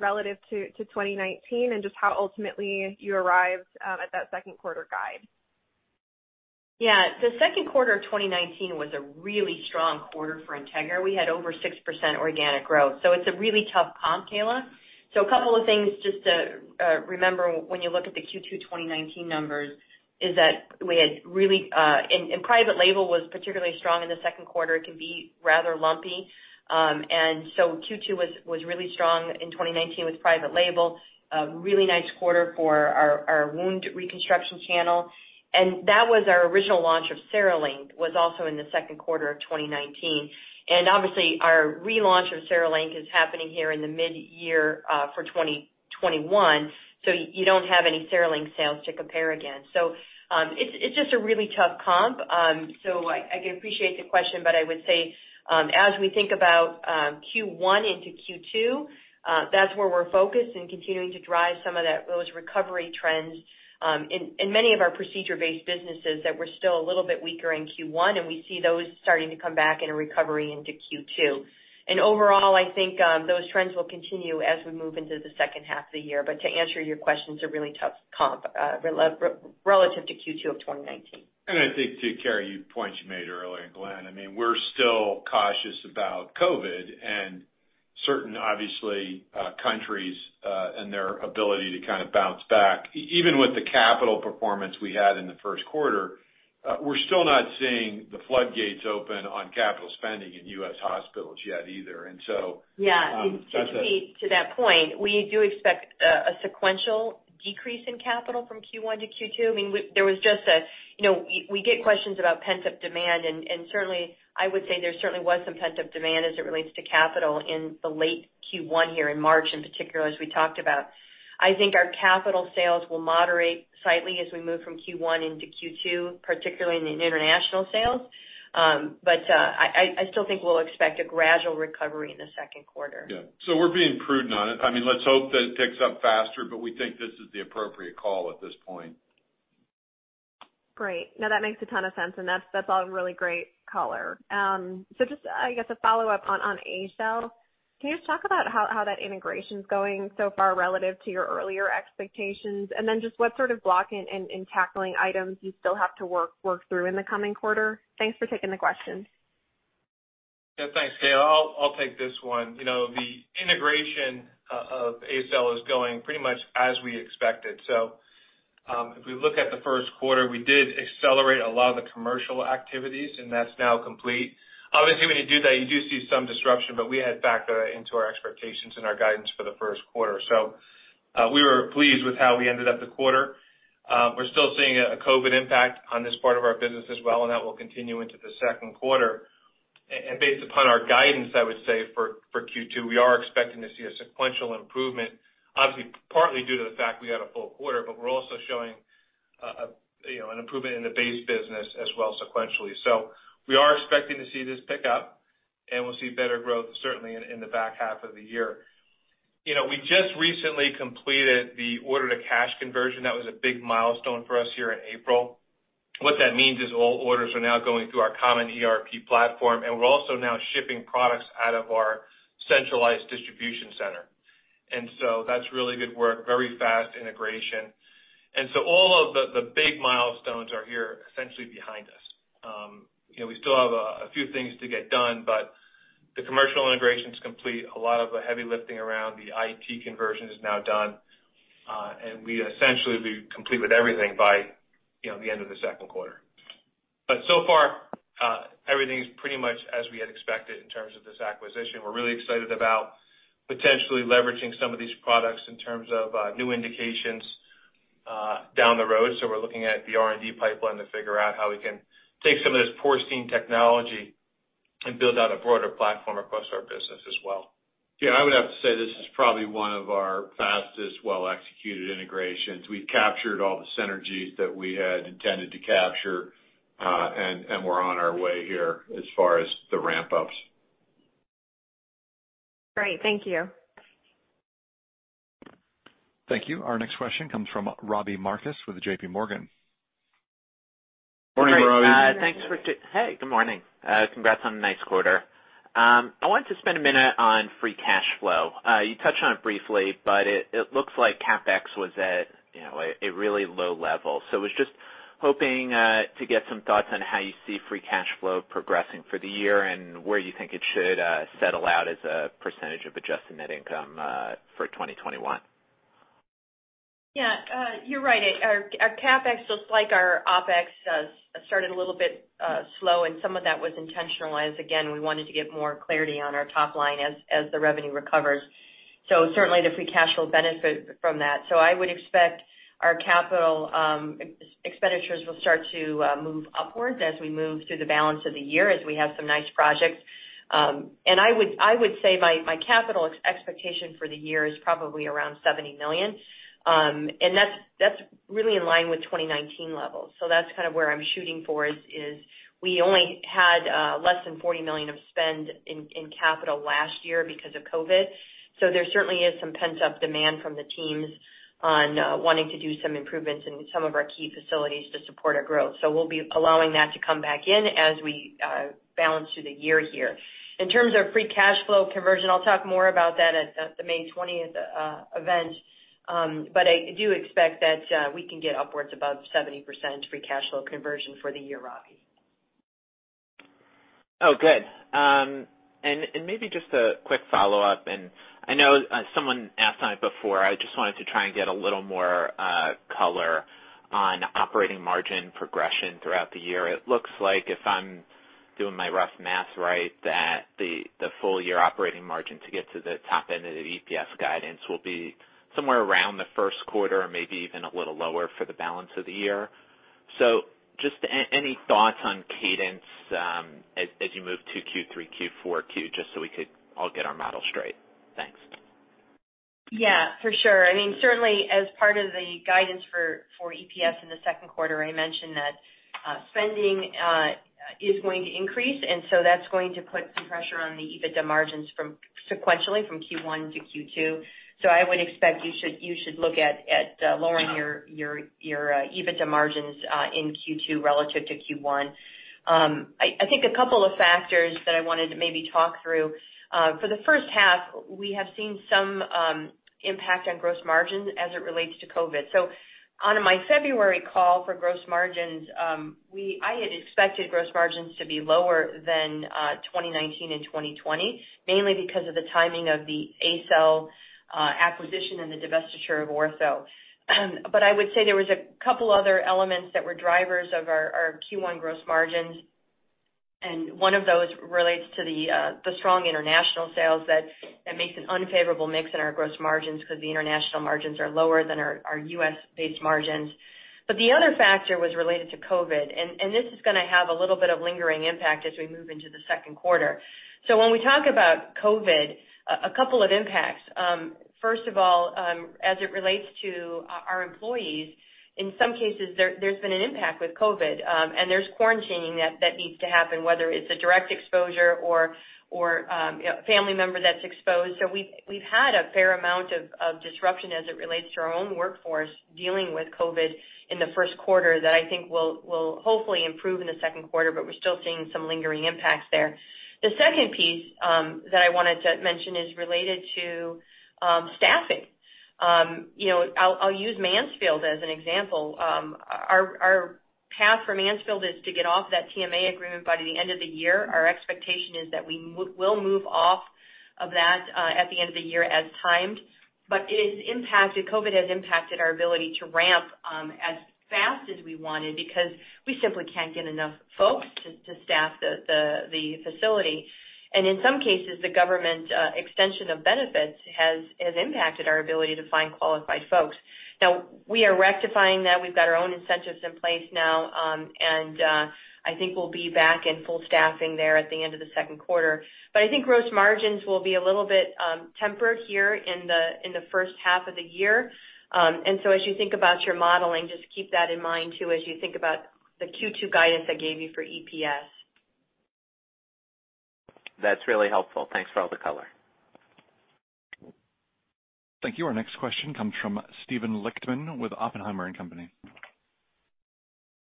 Speaker 9: relative to 2019 and just how ultimately you arrived at that second quarter guide?
Speaker 4: The second quarter of 2019 was a really strong quarter for Integra. We had over 6% organic growth. It's a really tough comp, Kaila. A couple of things just to remember when you look at the Q2 2019 numbers is that private label was particularly strong in the second quarter. It can be rather lumpy. Q2 was really strong in 2019 with private label. A really nice quarter for our wound reconstruction channel. That was our original launch of CereLink, was also in the second quarter of 2019. Obviously our relaunch of CereLink is happening here in the mid-year for 2021. You don't have any CereLink sales to compare against. It's just a really tough comp. I appreciate the question, but I would say as we think about Q1 into Q2, that's where we're focused and continuing to drive some of those recovery trends in many of our procedure-based businesses that were still a little bit weaker in Q1, and we see those starting to come back in a recovery into Q2. Overall, I think those trends will continue as we move into the second half of the year. To answer your question, it's a really tough comp relative to Q2 of 2019.
Speaker 3: I think too, Carrie, points you made earlier, Glenn, we're still cautious about COVID and certain, obviously, countries and their ability to kind of bounce back. Even with the capital performance we had in the first quarter, we're still not seeing the floodgates open on capital spending in U.S. hospitals yet either.
Speaker 4: Yeah. To that point, we do expect a sequential decrease in capital from Q1 to Q2. Certainly I would say there certainly was some pent-up demand as it relates to capital in the late Q1 here in March, in particular, as we talked about. I think our capital sales will moderate slightly as we move from Q1 into Q2, particularly in the international sales. I still think we'll expect a gradual recovery in the second quarter.
Speaker 3: We're being prudent on it. Let's hope that it picks up faster, but we think this is the appropriate call at this point.
Speaker 9: Great. No, that makes a ton of sense, and that's all really great color. Just, I guess, a follow-up on ACell. Can you just talk about how that integration's going so far relative to your earlier expectations? Just what sort of blocking and tackling items you still have to work through in the coming quarter? Thanks for taking the question.
Speaker 5: Yeah, thanks, Kaila. I'll take this one. The integration of ACell is going pretty much as we expected. If we look at the first quarter, we did accelerate a lot of the commercial activities, and that's now complete. Obviously, when you do that, you do see some disruption, but we had backed that into our expectations and our guidance for the first quarter. We were pleased with how we ended up the quarter. We're still seeing a COVID impact on this part of our business as well, and that will continue into the second quarter. Based upon our guidance, I would say for Q2, we are expecting to see a sequential improvement, obviously partly due to the fact we had a full quarter, but we're also showing an improvement in the base business as well sequentially. We are expecting to see this pick up, and we'll see better growth certainly in the back half of the year. We just recently completed the order-to-cash conversion. That was a big milestone for us here in April. What that means is all orders are now going through our common ERP platform, and we're also now shipping products out of our centralized distribution center. That's really good work, very fast integration. All of the big milestones are here essentially behind us. We still have a few things to get done, but the commercial integration's complete. A lot of the heavy lifting around the IT conversion is now done. We essentially will be complete with everything by the end of the second quarter. So far, everything's pretty much as we had expected in terms of this acquisition. We're really excited about potentially leveraging some of these products in terms of new indications down the road. We're looking at the R&D pipeline to figure out how we can take some of this porcine technology and build out a broader platform across our business as well.
Speaker 3: I would have to say this is probably one of our fastest, well-executed integrations. We've captured all the synergies that we had intended to capture, and we're on our way here as far as the ramp-ups.
Speaker 9: Great. Thank you.
Speaker 1: Thank you. Our next question comes from Robbie Marcus with JPMorgan.
Speaker 3: Morning, Robbie.
Speaker 4: Morning.
Speaker 10: Thanks, Richard. Hey, good morning. Congrats on a nice quarter. I wanted to spend a minute on free cash flow. You touched on it briefly. It looks like CapEx was at a really low level. I was just hoping to get some thoughts on how you see free cash flow progressing for the year, and where you think it should settle out as a percentage of adjusted net income for 2021.
Speaker 4: Yeah, you're right. Our CapEx, just like our OpEx, started a little bit slow, and some of that was intentional, as again, we wanted to get more clarity on our top line as the revenue recovers. Certainly the free cash will benefit from that. I would expect our capital expenditures will start to move upwards as we move through the balance of the year, as we have some nice projects. I would say my capital expectation for the year is probably around $70 million. That's really in line with 2019 levels. That's kind of where I'm shooting for, is we only had less than $40 million of spend in capital last year because of COVID. There certainly is some pent-up demand from the teams on wanting to do some improvements in some of our key facilities to support our growth. We'll be allowing that to come back in as we balance through the year here. In terms of free cash flow conversion, I'll talk more about that at the May 20th event. I do expect that we can get upwards above 70% free cash flow conversion for the year, Robbie.
Speaker 10: Oh, good. Maybe just a quick follow-up, and I know someone asked about it before. I just wanted to try and get a little more color on operating margin progression throughout the year. It looks like if I'm doing my rough math right, that the full-year operating margin to get to the top end of the EPS guidance will be somewhere around the first quarter or maybe even a little lower for the balance of the year. Just any thoughts on cadence as you move to Q3, Q4, Q, just so we could all get our model straight. Thanks.
Speaker 4: Yeah, for sure. I mean, certainly as part of the guidance for EPS in the second quarter, I mentioned that spending is going to increase, and so that's going to put some pressure on the EBITDA margins sequentially from Q1 to Q2. I would expect you should look at lowering your EBITDA margins in Q2 relative to Q1. I think a couple of factors that I wanted to maybe talk through. For the first half, we have seen some impact on gross margins as it relates to COVID. On my February call for gross margins, I had expected gross margins to be lower than 2019 and 2020, mainly because of the timing of the ACell acquisition and the divestiture of Ortho. I would say there was two other elements that were drivers of our Q1 gross margins, and one of those relates to the strong international sales that makes an unfavorable mix in our gross margins because the international margins are lower than our U.S.-based margins. The other factor was related to COVID, and this is going to have a little bit of lingering impact as we move into the second quarter. When we talk about COVID, two impacts. First of all, as it relates to our employees, in some cases, there's been an impact with COVID, and there's quarantining that needs to happen, whether it's a direct exposure or a family member that's exposed. We've had a fair amount of disruption as it relates to our own workforce dealing with COVID in the first quarter that I think will hopefully improve in the second quarter, but we're still seeing some lingering impacts there. The second piece that I wanted to mention is related to staffing. I'll use Mansfield as an example. Our Path for Mansfield is to get off that TSA agreement by the end of the year. Our expectation is that we will move off of that at the end of the year as timed. COVID has impacted our ability to ramp as fast as we wanted because we simply can't get enough folks to staff the facility. In some cases, the government extension of benefits has impacted our ability to find qualified folks. We are rectifying that. We've got our own incentives in place now. I think we'll be back in full staffing there at the end of the second quarter. I think gross margins will be a little bit tempered here in the first half of the year. As you think about your modeling, just keep that in mind too, as you think about the Q2 guidance I gave you for EPS.
Speaker 10: That's really helpful. Thanks for all the color.
Speaker 1: Thank you. Our next question comes from Steven Lichtman with Oppenheimer & Company.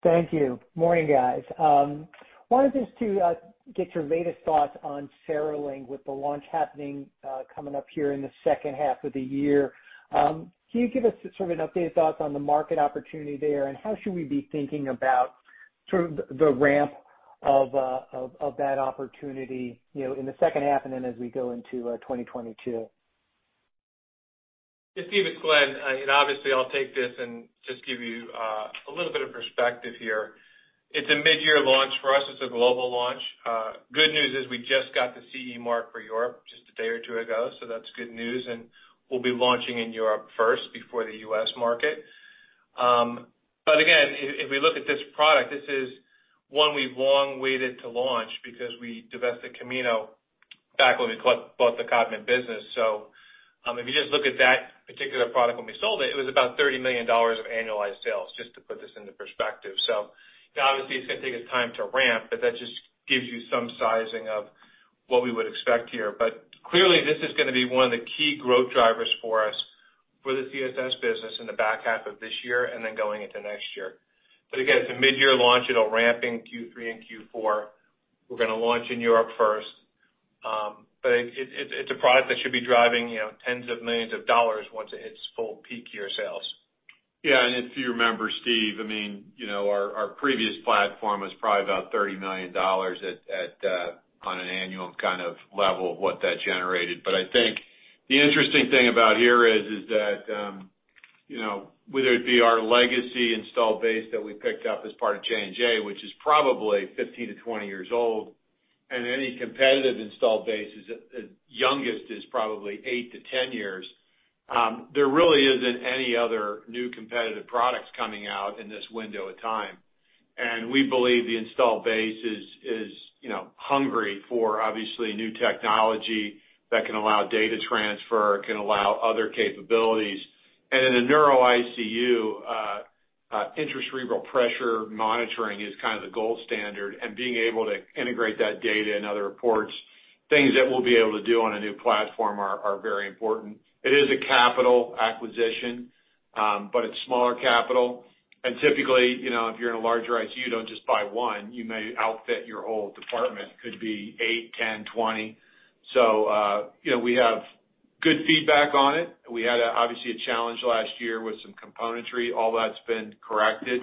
Speaker 11: Thank you. Morning, guys. Wanted just to get your latest thoughts on CereLink with the launch happening coming up here in the second half of the year. Can you give us sort of an updated thoughts on the market opportunity there, and how should we be thinking about sort of the ramp of that opportunity in the second half and then as we go into 2022?
Speaker 5: Steve, it's Glenn. Obviously I'll take this and just give you a little bit of perspective here. It's a mid-year launch for us. It's a global launch. Good news is we just got the CE mark for Europe just a day or two ago, so that's good news, and we'll be launching in Europe first before the U.S. market. Again, if we look at this product, this is one we've long waited to launch because we divested Camino back when we bought the Codman business. If you just look at that particular product when we sold it was about $30 million of annualized sales, just to put this into perspective. Obviously it's going to take us time to ramp, but that just gives you some sizing of what we would expect here. Clearly this is going to be one of the key growth drivers for us for the CSS business in the back half of this year and then going into next year. Again, it's a mid-year launch. It'll ramp in Q3 and Q4. We're going to launch in Europe first. It's a product that should be driving tens of millions of dollars once it hits full peak year sales.
Speaker 3: Yeah, if you remember, Steven, our previous platform was probably about $30 million on an annual kind of level of what that generated. I think the interesting thing about here is that whether it be our legacy installed base that we picked up as part of J&J, which is probably 15-20 years old, and any competitive installed base is at youngest is probably 8-10 years. There really isn't any other new competitive products coming out in this window of time. We believe the installed base is hungry for, obviously, new technology that can allow data transfer, can allow other capabilities. In the neuro ICU, intra-cerebral pressure monitoring is kind of the gold standard and being able to integrate that data and other reports, things that we'll be able to do on a new platform are very important. It is a capital acquisition, but it's smaller capital. Typically, if you're in a large ICU, you don't just buy one. You may outfit your whole department. Could be eight, 10, 20. We have good feedback on it. We had obviously a challenge last year with some componentry. All that's been corrected.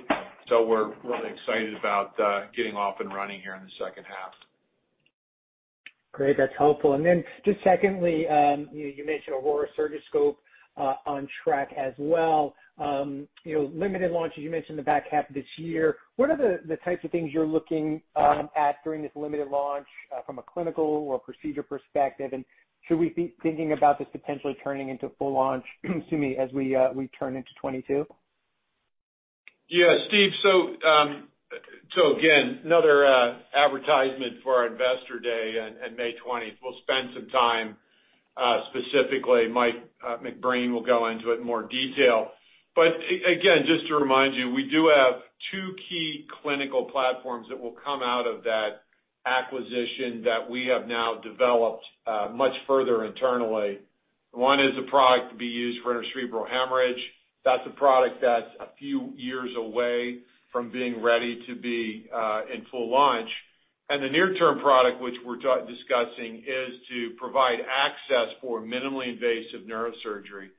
Speaker 3: We're really excited about getting off and running here in the second half.
Speaker 11: Great. That's helpful. Then just secondly, you mentioned Aurora Surgiscope on track as well. Limited launch, as you mentioned, the back half of this year. What are the types of things you're looking at during this limited launch from a clinical or procedure perspective? Should we be thinking about this potentially turning into a full launch as we turn into 2022?
Speaker 3: Yeah, Steven. Again, another advertisement for our investor day in May 20th. We'll spend some time, specifically Mike McBreen will go into it in more detail. Again, just to remind you, we do have two key clinical platforms that will come out of that acquisition that we have now developed much further internally. One is a product to be used for intracerebral hemorrhage. That's a product that's a few years away from being ready to be in full launch. The near-term product, which we're discussing, is to provide access for minimally invasive neurosurgery.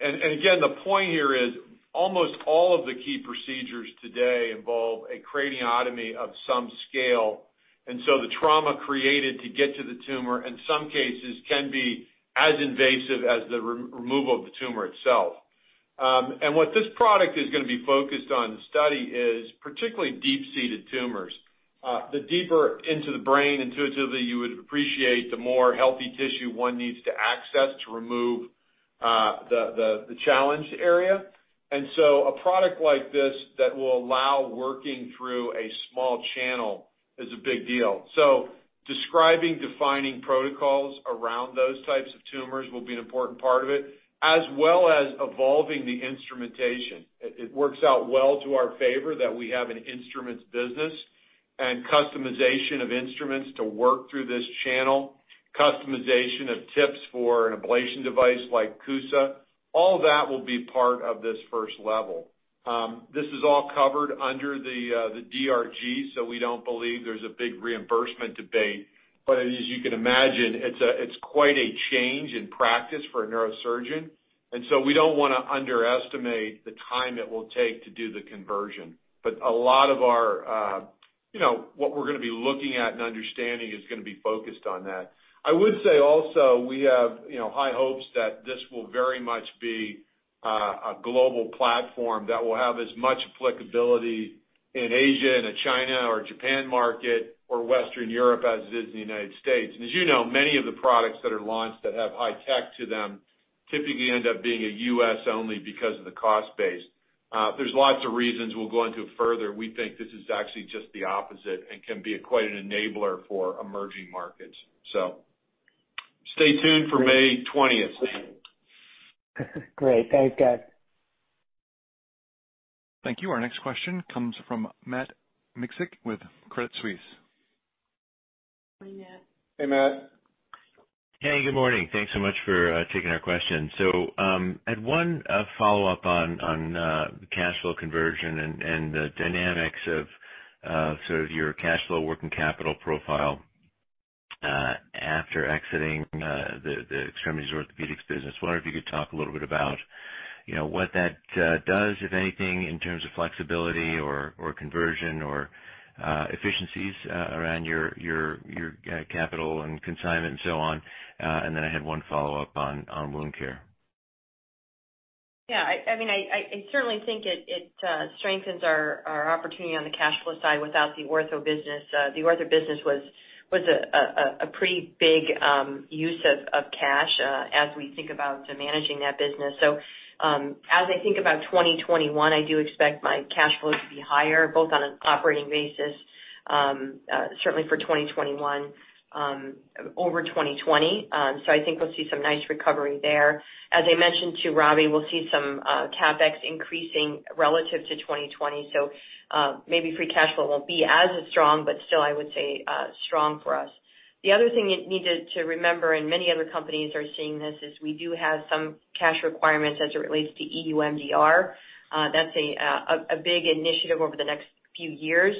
Speaker 3: Again, the point here is almost all of the key procedures today involve a craniotomy of some scale, and so the trauma created to get to the tumor, in some cases, can be as invasive as the removal of the tumor itself. What this product is going to be focused on in the study is particularly deep-seated tumors. The deeper into the brain, intuitively you would appreciate the more healthy tissue one needs to access to remove the challenged area. A product like this that will allow working through a small channel is a big deal. Describing, defining protocols around those types of tumors will be an important part of it, as well as evolving the instrumentation. It works out well to our favor that we have an instruments business and customization of instruments to work through this channel, customization of tips for an ablation device like CUSA. All that will be part of this first level. This is all covered under the DRG, we don't believe there's a big reimbursement debate. As you can imagine, it's quite a change in practice for a neurosurgeon. So we don't want to underestimate the time it will take to do the conversion. What we're going to be looking at and understanding is going to be focused on that. I would say also, we have high hopes that this will very much be a global platform that will have as much applicability in Asia, in a China or Japan market, or Western Europe as it is in the U.S. As you know, many of the products that are launched that have high tech to them typically end up being a U.S. only because of the cost base. There's lots of reasons we'll go into further. We think this is actually just the opposite and can be quite an enabler for emerging markets. Stay tuned for May 20th.
Speaker 11: Great. Thanks, guys.
Speaker 1: Thank you. Our next question comes from Matt Miksic with Credit Suisse.
Speaker 4: Hi, Matt.
Speaker 3: Hey, Matt.
Speaker 12: Hey, good morning. Thanks so much for taking our question. I had one follow-up on cash flow conversion and the dynamics of sort of your cash flow working capital profile after exiting the Extremities Orthopedics business. Wonder if you could talk a little bit about what that does, if anything, in terms of flexibility or conversion or efficiencies around your capital and consignment and so on. I had one follow-up on wound care.
Speaker 4: Yeah. I certainly think it strengthens our opportunity on the cash flow side without the ortho business. The ortho business was a pretty big use of cash as we think about managing that business. As I think about 2021, I do expect my cash flow to be higher, both on an operating basis, certainly for 2021 over 2020. I think we'll see some nice recovery there. As I mentioned to Robbie, we'll see some CapEx increasing relative to 2020. Maybe free cash flow won't be as strong, but still I would say strong for us. The other thing you need to remember, and many other companies are seeing this, is we do have some cash requirements as it relates to EU MDR. That's a big initiative over the next few years.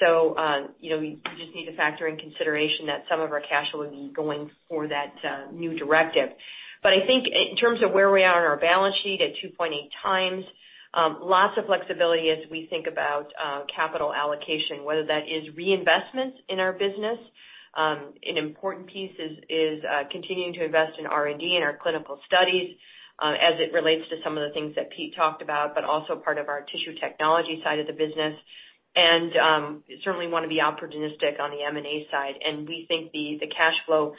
Speaker 4: We just need to factor in consideration that some of our cash will be going for that new directive. I think in terms of where we are on our balance sheet at 2.8x, lots of flexibility as we think about capital allocation, whether that is reinvestments in our business. An important piece is continuing to invest in R&D and our clinical studies as it relates to some of the things that Pete talked about, but also part of our Tissue Technologies side of the business. Certainly want to be opportunistic on the M&A side. We think the cash flow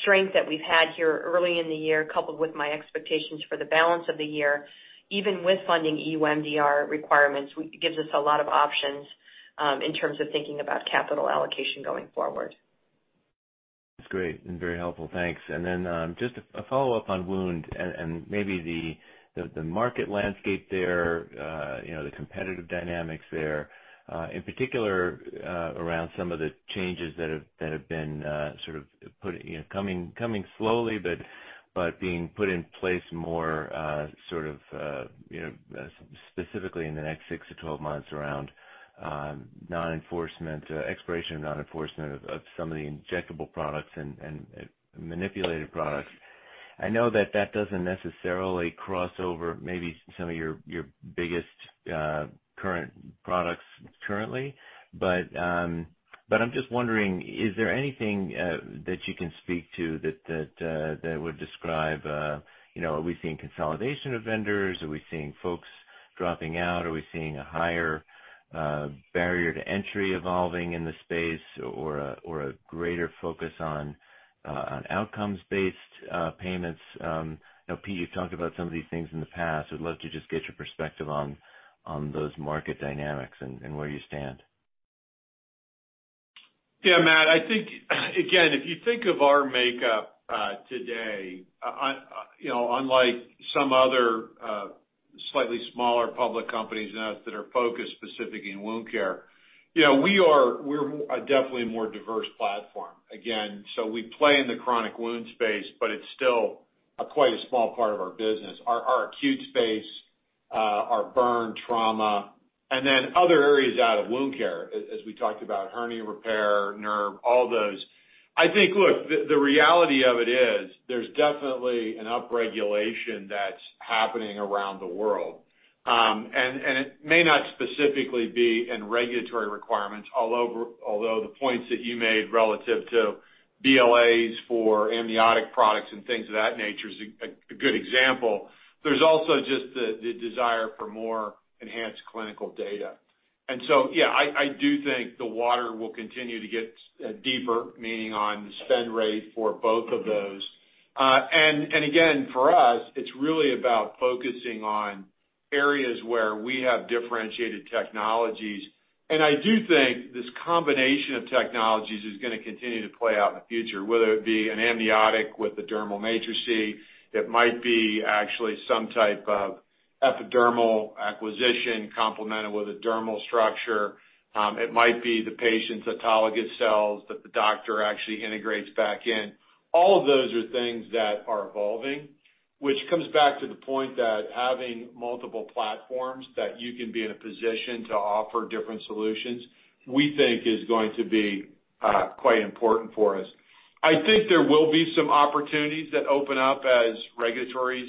Speaker 4: strength that we've had here early in the year, coupled with my expectations for the balance of the year, even with funding EU MDR requirements, gives us a lot of options in terms of thinking about capital allocation going forward.
Speaker 12: Then just a follow-up on wound and maybe the market landscape there, the competitive dynamics there, in particular around some of the changes that have been sort of coming slowly but being put in place more sort of specifically in the next six to 12 months around expiration and non-enforcement of some of the injectable products and manipulated products. I know that that doesn't necessarily cross over maybe some of your biggest current products currently. I'm just wondering, is there anything that you can speak to that would describe, are we seeing consolidation of vendors? Are we seeing folks dropping out? Are we seeing a higher barrier to entry evolving in the space or a greater focus on outcomes-based payments? Pete, you've talked about some of these things in the past. I'd love to just get your perspective on those market dynamics and where you stand.
Speaker 3: Yeah, Matt, I think, again, if you think of our makeup today, unlike some other slightly smaller public companies than us that are focused specifically in wound care, we're definitely a more diverse platform. Again, we play in the chronic wound space, but it's still quite a small part of our business. Our acute space, our burn trauma, then other areas out of wound care, as we talked about, hernia repair, nerve, all those. I think, look, the reality of it is there's definitely an up-regulation that's happening around the world. It may not specifically be in regulatory requirements, although the points that you made relative to BLAs for amniotic products and things of that nature is a good example. There's also just the desire for more enhanced clinical data. Yeah, I do think the water will continue to get deeper, meaning on the spend rate for both of those. Again, for us, it's really about focusing on areas where we have differentiated technologies. I do think this combination of technologies is going to continue to play out in the future, whether it be an amniotic with a dermal matrices. It might be actually some type of epidermal acquisition complemented with a dermal structure. It might be the patient's autologous cells that the doctor actually integrates back in. All of those are things that are evolving, which comes back to the point that having multiple platforms that you can be in a position to offer different solutions, we think is going to be quite important for us. I think there will be some opportunities that open up as regulatory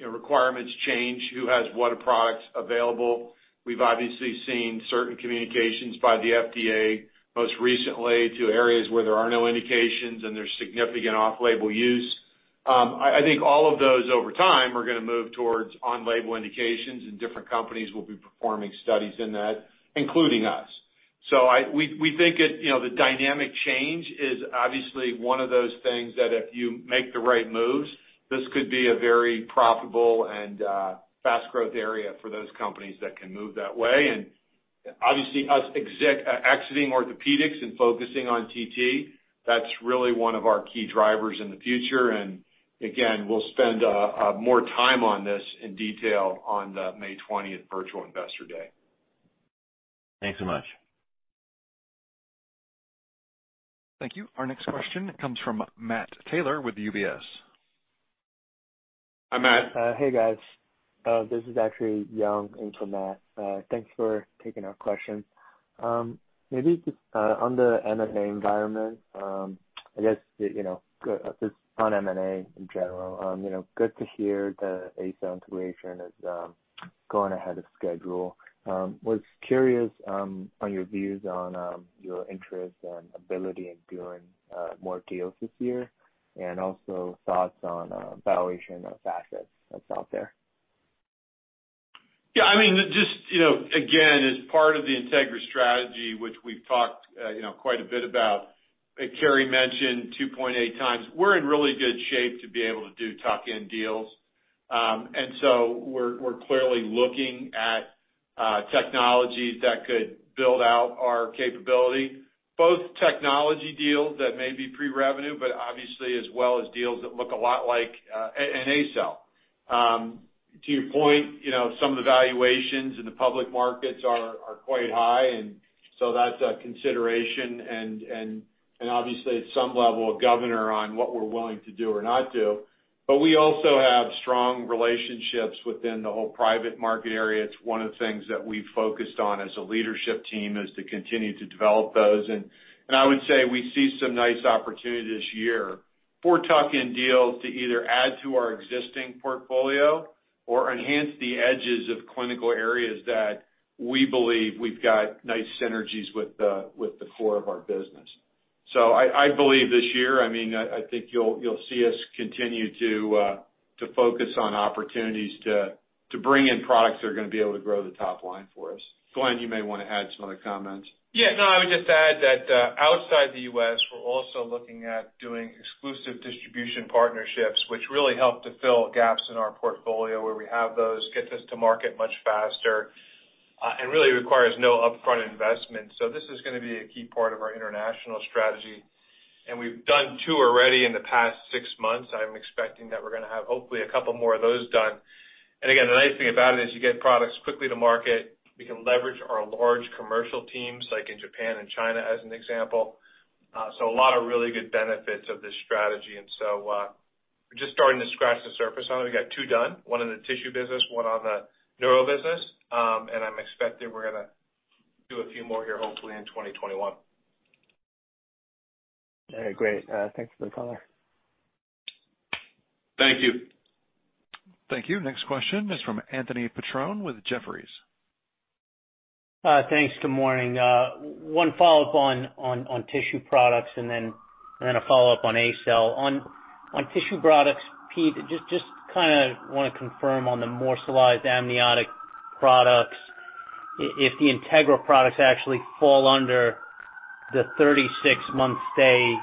Speaker 3: requirements change, who has what products available. We've obviously seen certain communications by the FDA, most recently, to areas where there are no indications and there's significant off-label use. I think all of those over time are going to move towards on-label indications and different companies will be performing studies in that, including us. We think the dynamic change is obviously one of those things that if you make the right moves, this could be a very profitable and fast growth area for those companies that can move that way. Obviously, us exiting orthopedics and focusing on TT, that's really one of our key drivers in the future. Again, we'll spend more time on this in detail on the May 20th Virtual Investor Day.
Speaker 12: Thanks so much.
Speaker 1: Thank you. Our next question comes from Matt Taylor with UBS.
Speaker 3: Hi, Matt.
Speaker 13: Hey, guys. This is actually Young in for Matt. Thanks for taking our question. Maybe just on the M&A environment, I guess, just on M&A in general. Good to hear the ACell integration is going ahead of schedule. Was curious on your views on your interest and ability in doing more deals this year, and also thoughts on valuation of assets that's out there.
Speaker 3: Yeah. Again, as part of the Integra strategy, which we've talked quite a bit about, as Carrie mentioned, 2.8x, we're in really good shape to be able to do tuck-in deals. We're clearly looking at technologies that could build out our capability, both technology deals that may be pre-revenue, but obviously as well as deals that look a lot like an ACell. To your point, some of the valuations in the public markets are quite high, and so that's a consideration and obviously at some level, a governor on what we're willing to do or not do. We also have strong relationships within the whole private market area. It's one of the things that we focused on as a leadership team is to continue to develop those. I would say we see some nice opportunity this year for tuck-in deals to either add to our existing portfolio or enhance the edges of clinical areas that we believe we've got nice synergies with the core of our business. I believe this year, I think you'll see us continue to focus on opportunities to bring in products that are going to be able to grow the top line for us. Glenn, you may want to add some other comments.
Speaker 5: Yeah, no, I would just add that outside the U.S., we're also looking at doing exclusive distribution partnerships, which really help to fill gaps in our portfolio where we have those, gets us to market much faster, and really requires no upfront investment. This is going to be a key part of our international strategy. We've done two already in the past six months. I'm expecting that we're going to have hopefully a couple more of those done. Again, the nice thing about it is you get products quickly to market. We can leverage our large commercial teams like in Japan and China as an example. A lot of really good benefits of this strategy. We're just starting to scratch the surface on it. We got two done, one in the tissue business, one on the neural business. I'm expecting we're going to do a few more here, hopefully in 2021.
Speaker 13: All right, great. Thanks for the color.
Speaker 3: Thank you.
Speaker 1: Thank you. Next question is from Anthony Petrone with Jefferies.
Speaker 14: Thanks. Good morning. One follow-up on tissue products and then a follow-up on ACell. On tissue products, Pete, just kind of want to confirm on the morselized amniotic products, if the Integra products actually fall under the 36-month stay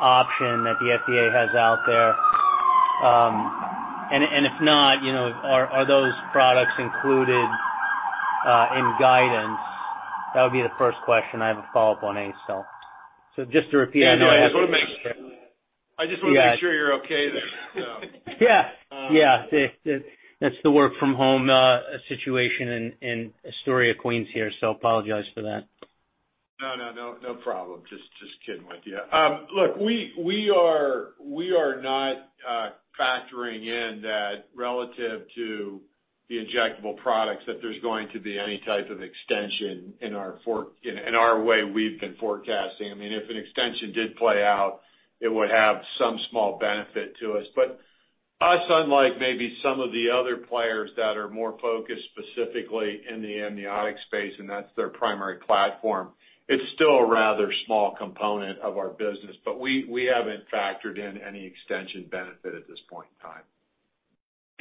Speaker 14: option that the FDA has out there. If not, are those products included in guidance? That would be the first question. I have a follow-up on ACell.
Speaker 3: Anthony, I just want to make sure you're okay there.
Speaker 14: Yeah. That's the work from home situation in Astoria, Queens here. Apologize for that.
Speaker 3: No, no problem. Just kidding with you. Look, we are not factoring in that relative to the injectable products, that there's going to be any type of extension in our way we've been forecasting. If an extension did play out, it would have some small benefit to us. Us, unlike maybe some of the other players that are more focused specifically in the amniotic space, and that's their primary platform, it's still a rather small component of our business, but we haven't factored in any extension benefit at this point in time.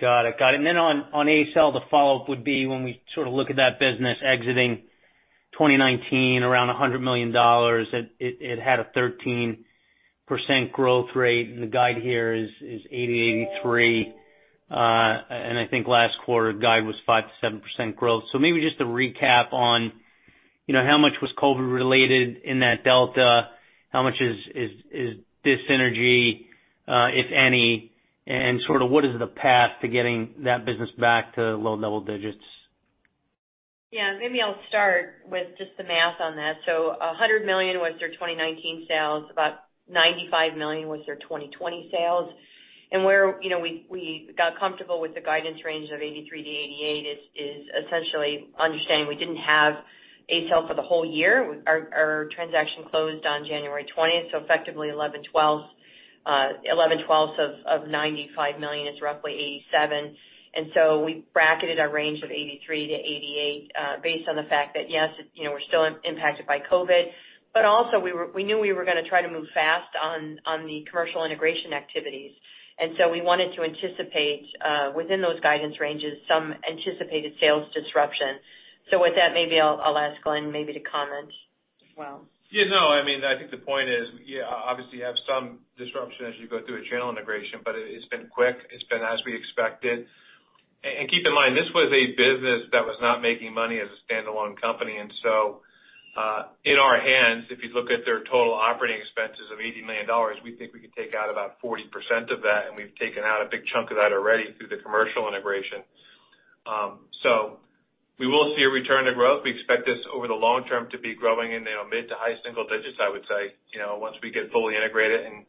Speaker 14: Got it. On ACell, the follow-up would be when we sort of look at that business exiting 2019 around $100 million, it had a 13% growth rate, the guide here is 80%-83%. I think last quarter guide was 5%-7% growth. Maybe just to recap on how much was COVID related in that delta, how much is dis-synergy, if any? Sort of what is the path to getting that business back to low double digits?
Speaker 4: Yeah. Maybe I'll start with just the math on that. $100 million was their 2019 sales. About $95 million was their 2020 sales. Where we got comfortable with the guidance range of $83-$88 is essentially understanding we didn't have ACell for the whole year. Our transaction closed on January 20th. Effectively, 11/12 of $95 million is roughly $87 million. We bracketed our range of $83 million-$88 million, based on the fact that, yes, we're still impacted by COVID, but also, we knew we were going to try to move fast on the commercial integration activities. We wanted to anticipate, within those guidance ranges, some anticipated sales disruption. With that, maybe I'll ask Glenn to comment as well.
Speaker 5: Yeah, no. I think the point is, obviously you have some disruption as you go through a channel integration. It's been quick. It's been as we expected. Keep in mind, this was a business that was not making money as a standalone company. In our hands, if you look at their total operating expenses of $80 million, we think we could take out about 40% of that, and we've taken out a big chunk of that already through the commercial integration. We will see a return to growth. We expect this, over the long term, to be growing in mid to high single digits, I would say, once we get fully integrated and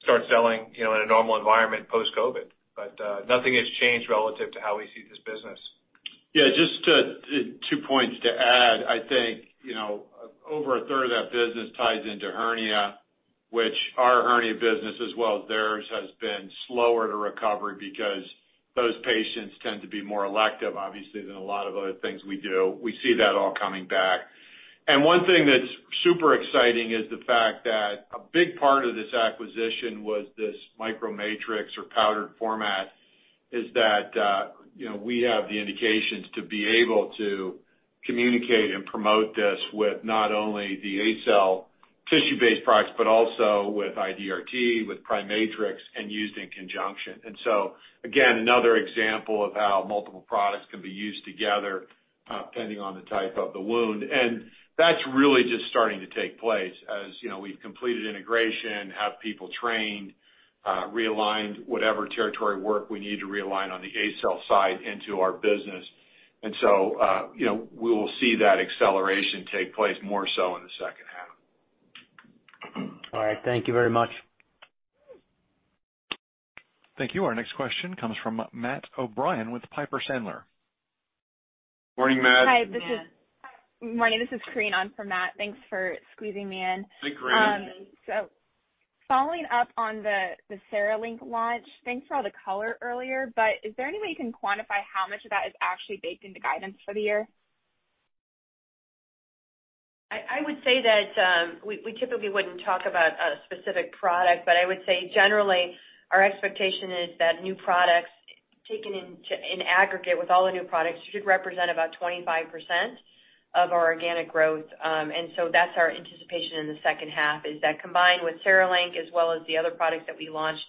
Speaker 5: start selling in a normal environment post-COVID. Nothing has changed relative to how we see this business.
Speaker 3: Yeah, just two points to add. I think over 1/3 of that business ties into hernia, which our hernia business as well as theirs has been slower to recovery because those patients tend to be more elective, obviously, than a lot of other things we do. We see that all coming back. One thing that's super exciting is the fact that a big part of this acquisition was this MicroMatrix or powdered format, is that we have the indications to be able to communicate and promote this with not only the ACell tissue-based products, but also with IDRT, with PriMatrix, and used in conjunction. Again, another example of how multiple products can be used together, depending on the type of the wound. That's really just starting to take place. As we've completed integration, have people trained, realigned whatever territory work we need to realign on the ACell side into our business. We will see that acceleration take place more so in the second half.
Speaker 14: All right. Thank you very much.
Speaker 1: Thank you. Our next question comes from Matt O'Brien with Piper Sandler.
Speaker 3: Morning, Matt.
Speaker 4: Morning, Matt.
Speaker 15: Hi, this is Corinne on for Matt. Thanks for squeezing me in.
Speaker 3: Hi, Corinne.
Speaker 15: Following up on the CereLink launch, thanks for all the color earlier, but is there any way you can quantify how much of that is actually baked into guidance for the year?
Speaker 4: I would say that we typically wouldn't talk about a specific product, but I would say generally, our expectation is that new products taken in aggregate with all the new products should represent about 25% of our organic growth. That's our anticipation in the second half, is that combined with CereLink as well as the other products that we launched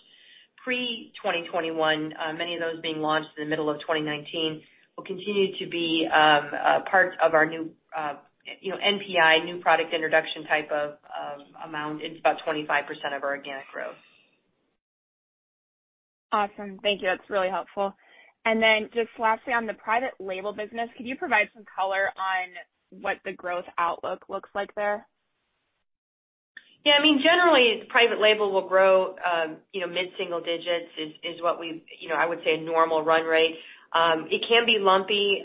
Speaker 4: pre-2021, many of those being launched in the middle of 2019, will continue to be part of our NPI, new product introduction type of amount. It's about 25% of our organic growth.
Speaker 15: Awesome. Thank you. That's really helpful. Then just lastly, on the private label business, could you provide some color on what the growth outlook looks like there?
Speaker 4: Yeah. Generally, private label will grow mid-single digits, is what I would say a normal run rate. It can be lumpy.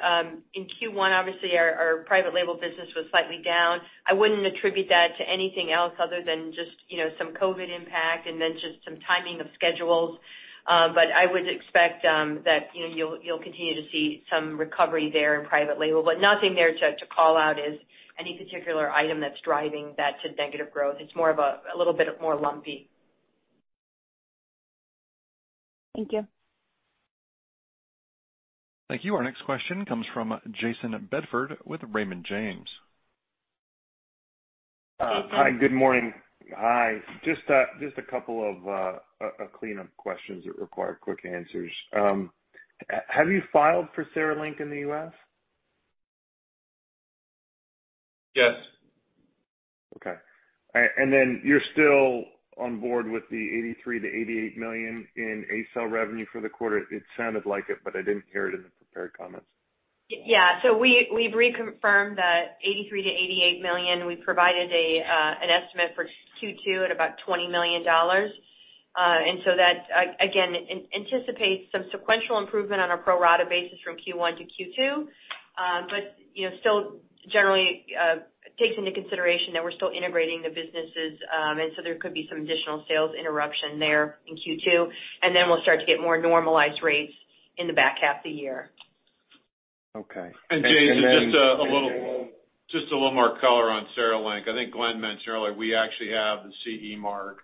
Speaker 4: In Q1, obviously our private label business was slightly down. I wouldn't attribute that to anything else other than just some COVID impact and then just some timing of schedules. I would expect that you'll continue to see some recovery there in private label, but nothing there to call out as any particular item that's driving that to negative growth. It's more of a little bit more lumpy.
Speaker 15: Thank you.
Speaker 1: Thank you. Our next question comes from Jayson Bedford with Raymond James.
Speaker 16: Hi.
Speaker 3: Hi, good morning.
Speaker 16: Hi. Just a couple of cleanup questions that require quick answers. Have you filed for CereLink in the U.S.?
Speaker 3: Yes.
Speaker 16: Okay. You're still on board with the $83 million-$88 million in ACell revenue for the quarter? It sounded like it, but I didn't hear it in the prepared comments.
Speaker 4: We've reconfirmed that $83 million-$88 million. We provided an estimate for Q2 at about $20 million. That, again, anticipates some sequential improvement on a pro rata basis from Q1 to Q2. Still generally takes into consideration that we're still integrating the businesses, and so there could be some additional sales interruption there in Q2, and then we'll start to get more normalized rates in the back half of the year.
Speaker 16: Okay.
Speaker 3: Jayson, just a little more color on CereLink. I think Glenn mentioned earlier, we actually have the CE mark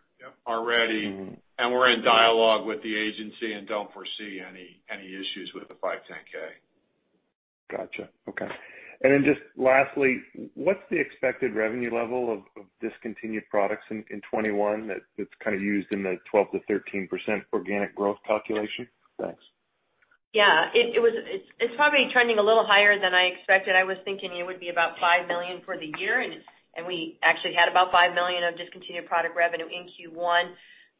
Speaker 3: already. We're in dialogue with the agency and don't foresee any issues with the 510.
Speaker 16: Gotcha. Okay. Just lastly, what's the expected revenue level of discontinued products in 2021 that's kind of used in the 12%-13% organic growth calculation? Thanks.
Speaker 4: Yeah. It's probably trending a little higher than I expected. I was thinking it would be about $5 million for the year, and we actually had about $5 million of discontinued product revenue in Q1.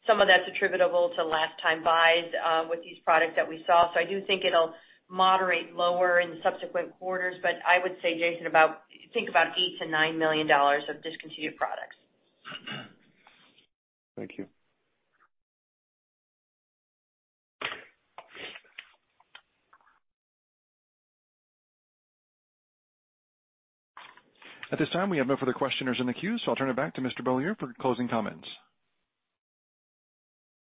Speaker 4: Some of that's attributable to last-time buys with these products that we saw. I do think it'll moderate lower in subsequent quarters, but I would say, Jayson, think about $8 million-$9 million of discontinued products.
Speaker 16: Thank you.
Speaker 1: At this time, we have no further questioners in the queue, so I'll turn it back to Mr. Beaulieu for closing comments.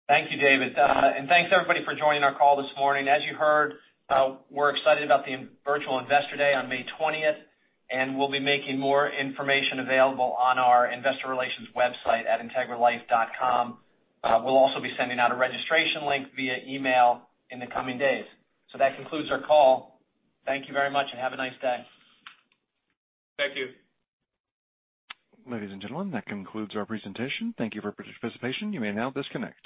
Speaker 2: Thank you, Dave Turkaly. Thanks everybody for joining our call this morning. As you heard, we're excited about the virtual Investor Day on May 20th, and we'll be making more information available on our investor relations website at integralife.com. We'll also be sending out a registration link via email in the coming days. That concludes our call. Thank you very much and have a nice day.
Speaker 3: Thank you.
Speaker 1: Ladies and gentlemen, that concludes our presentation. Thank you for participation. You may now disconnect.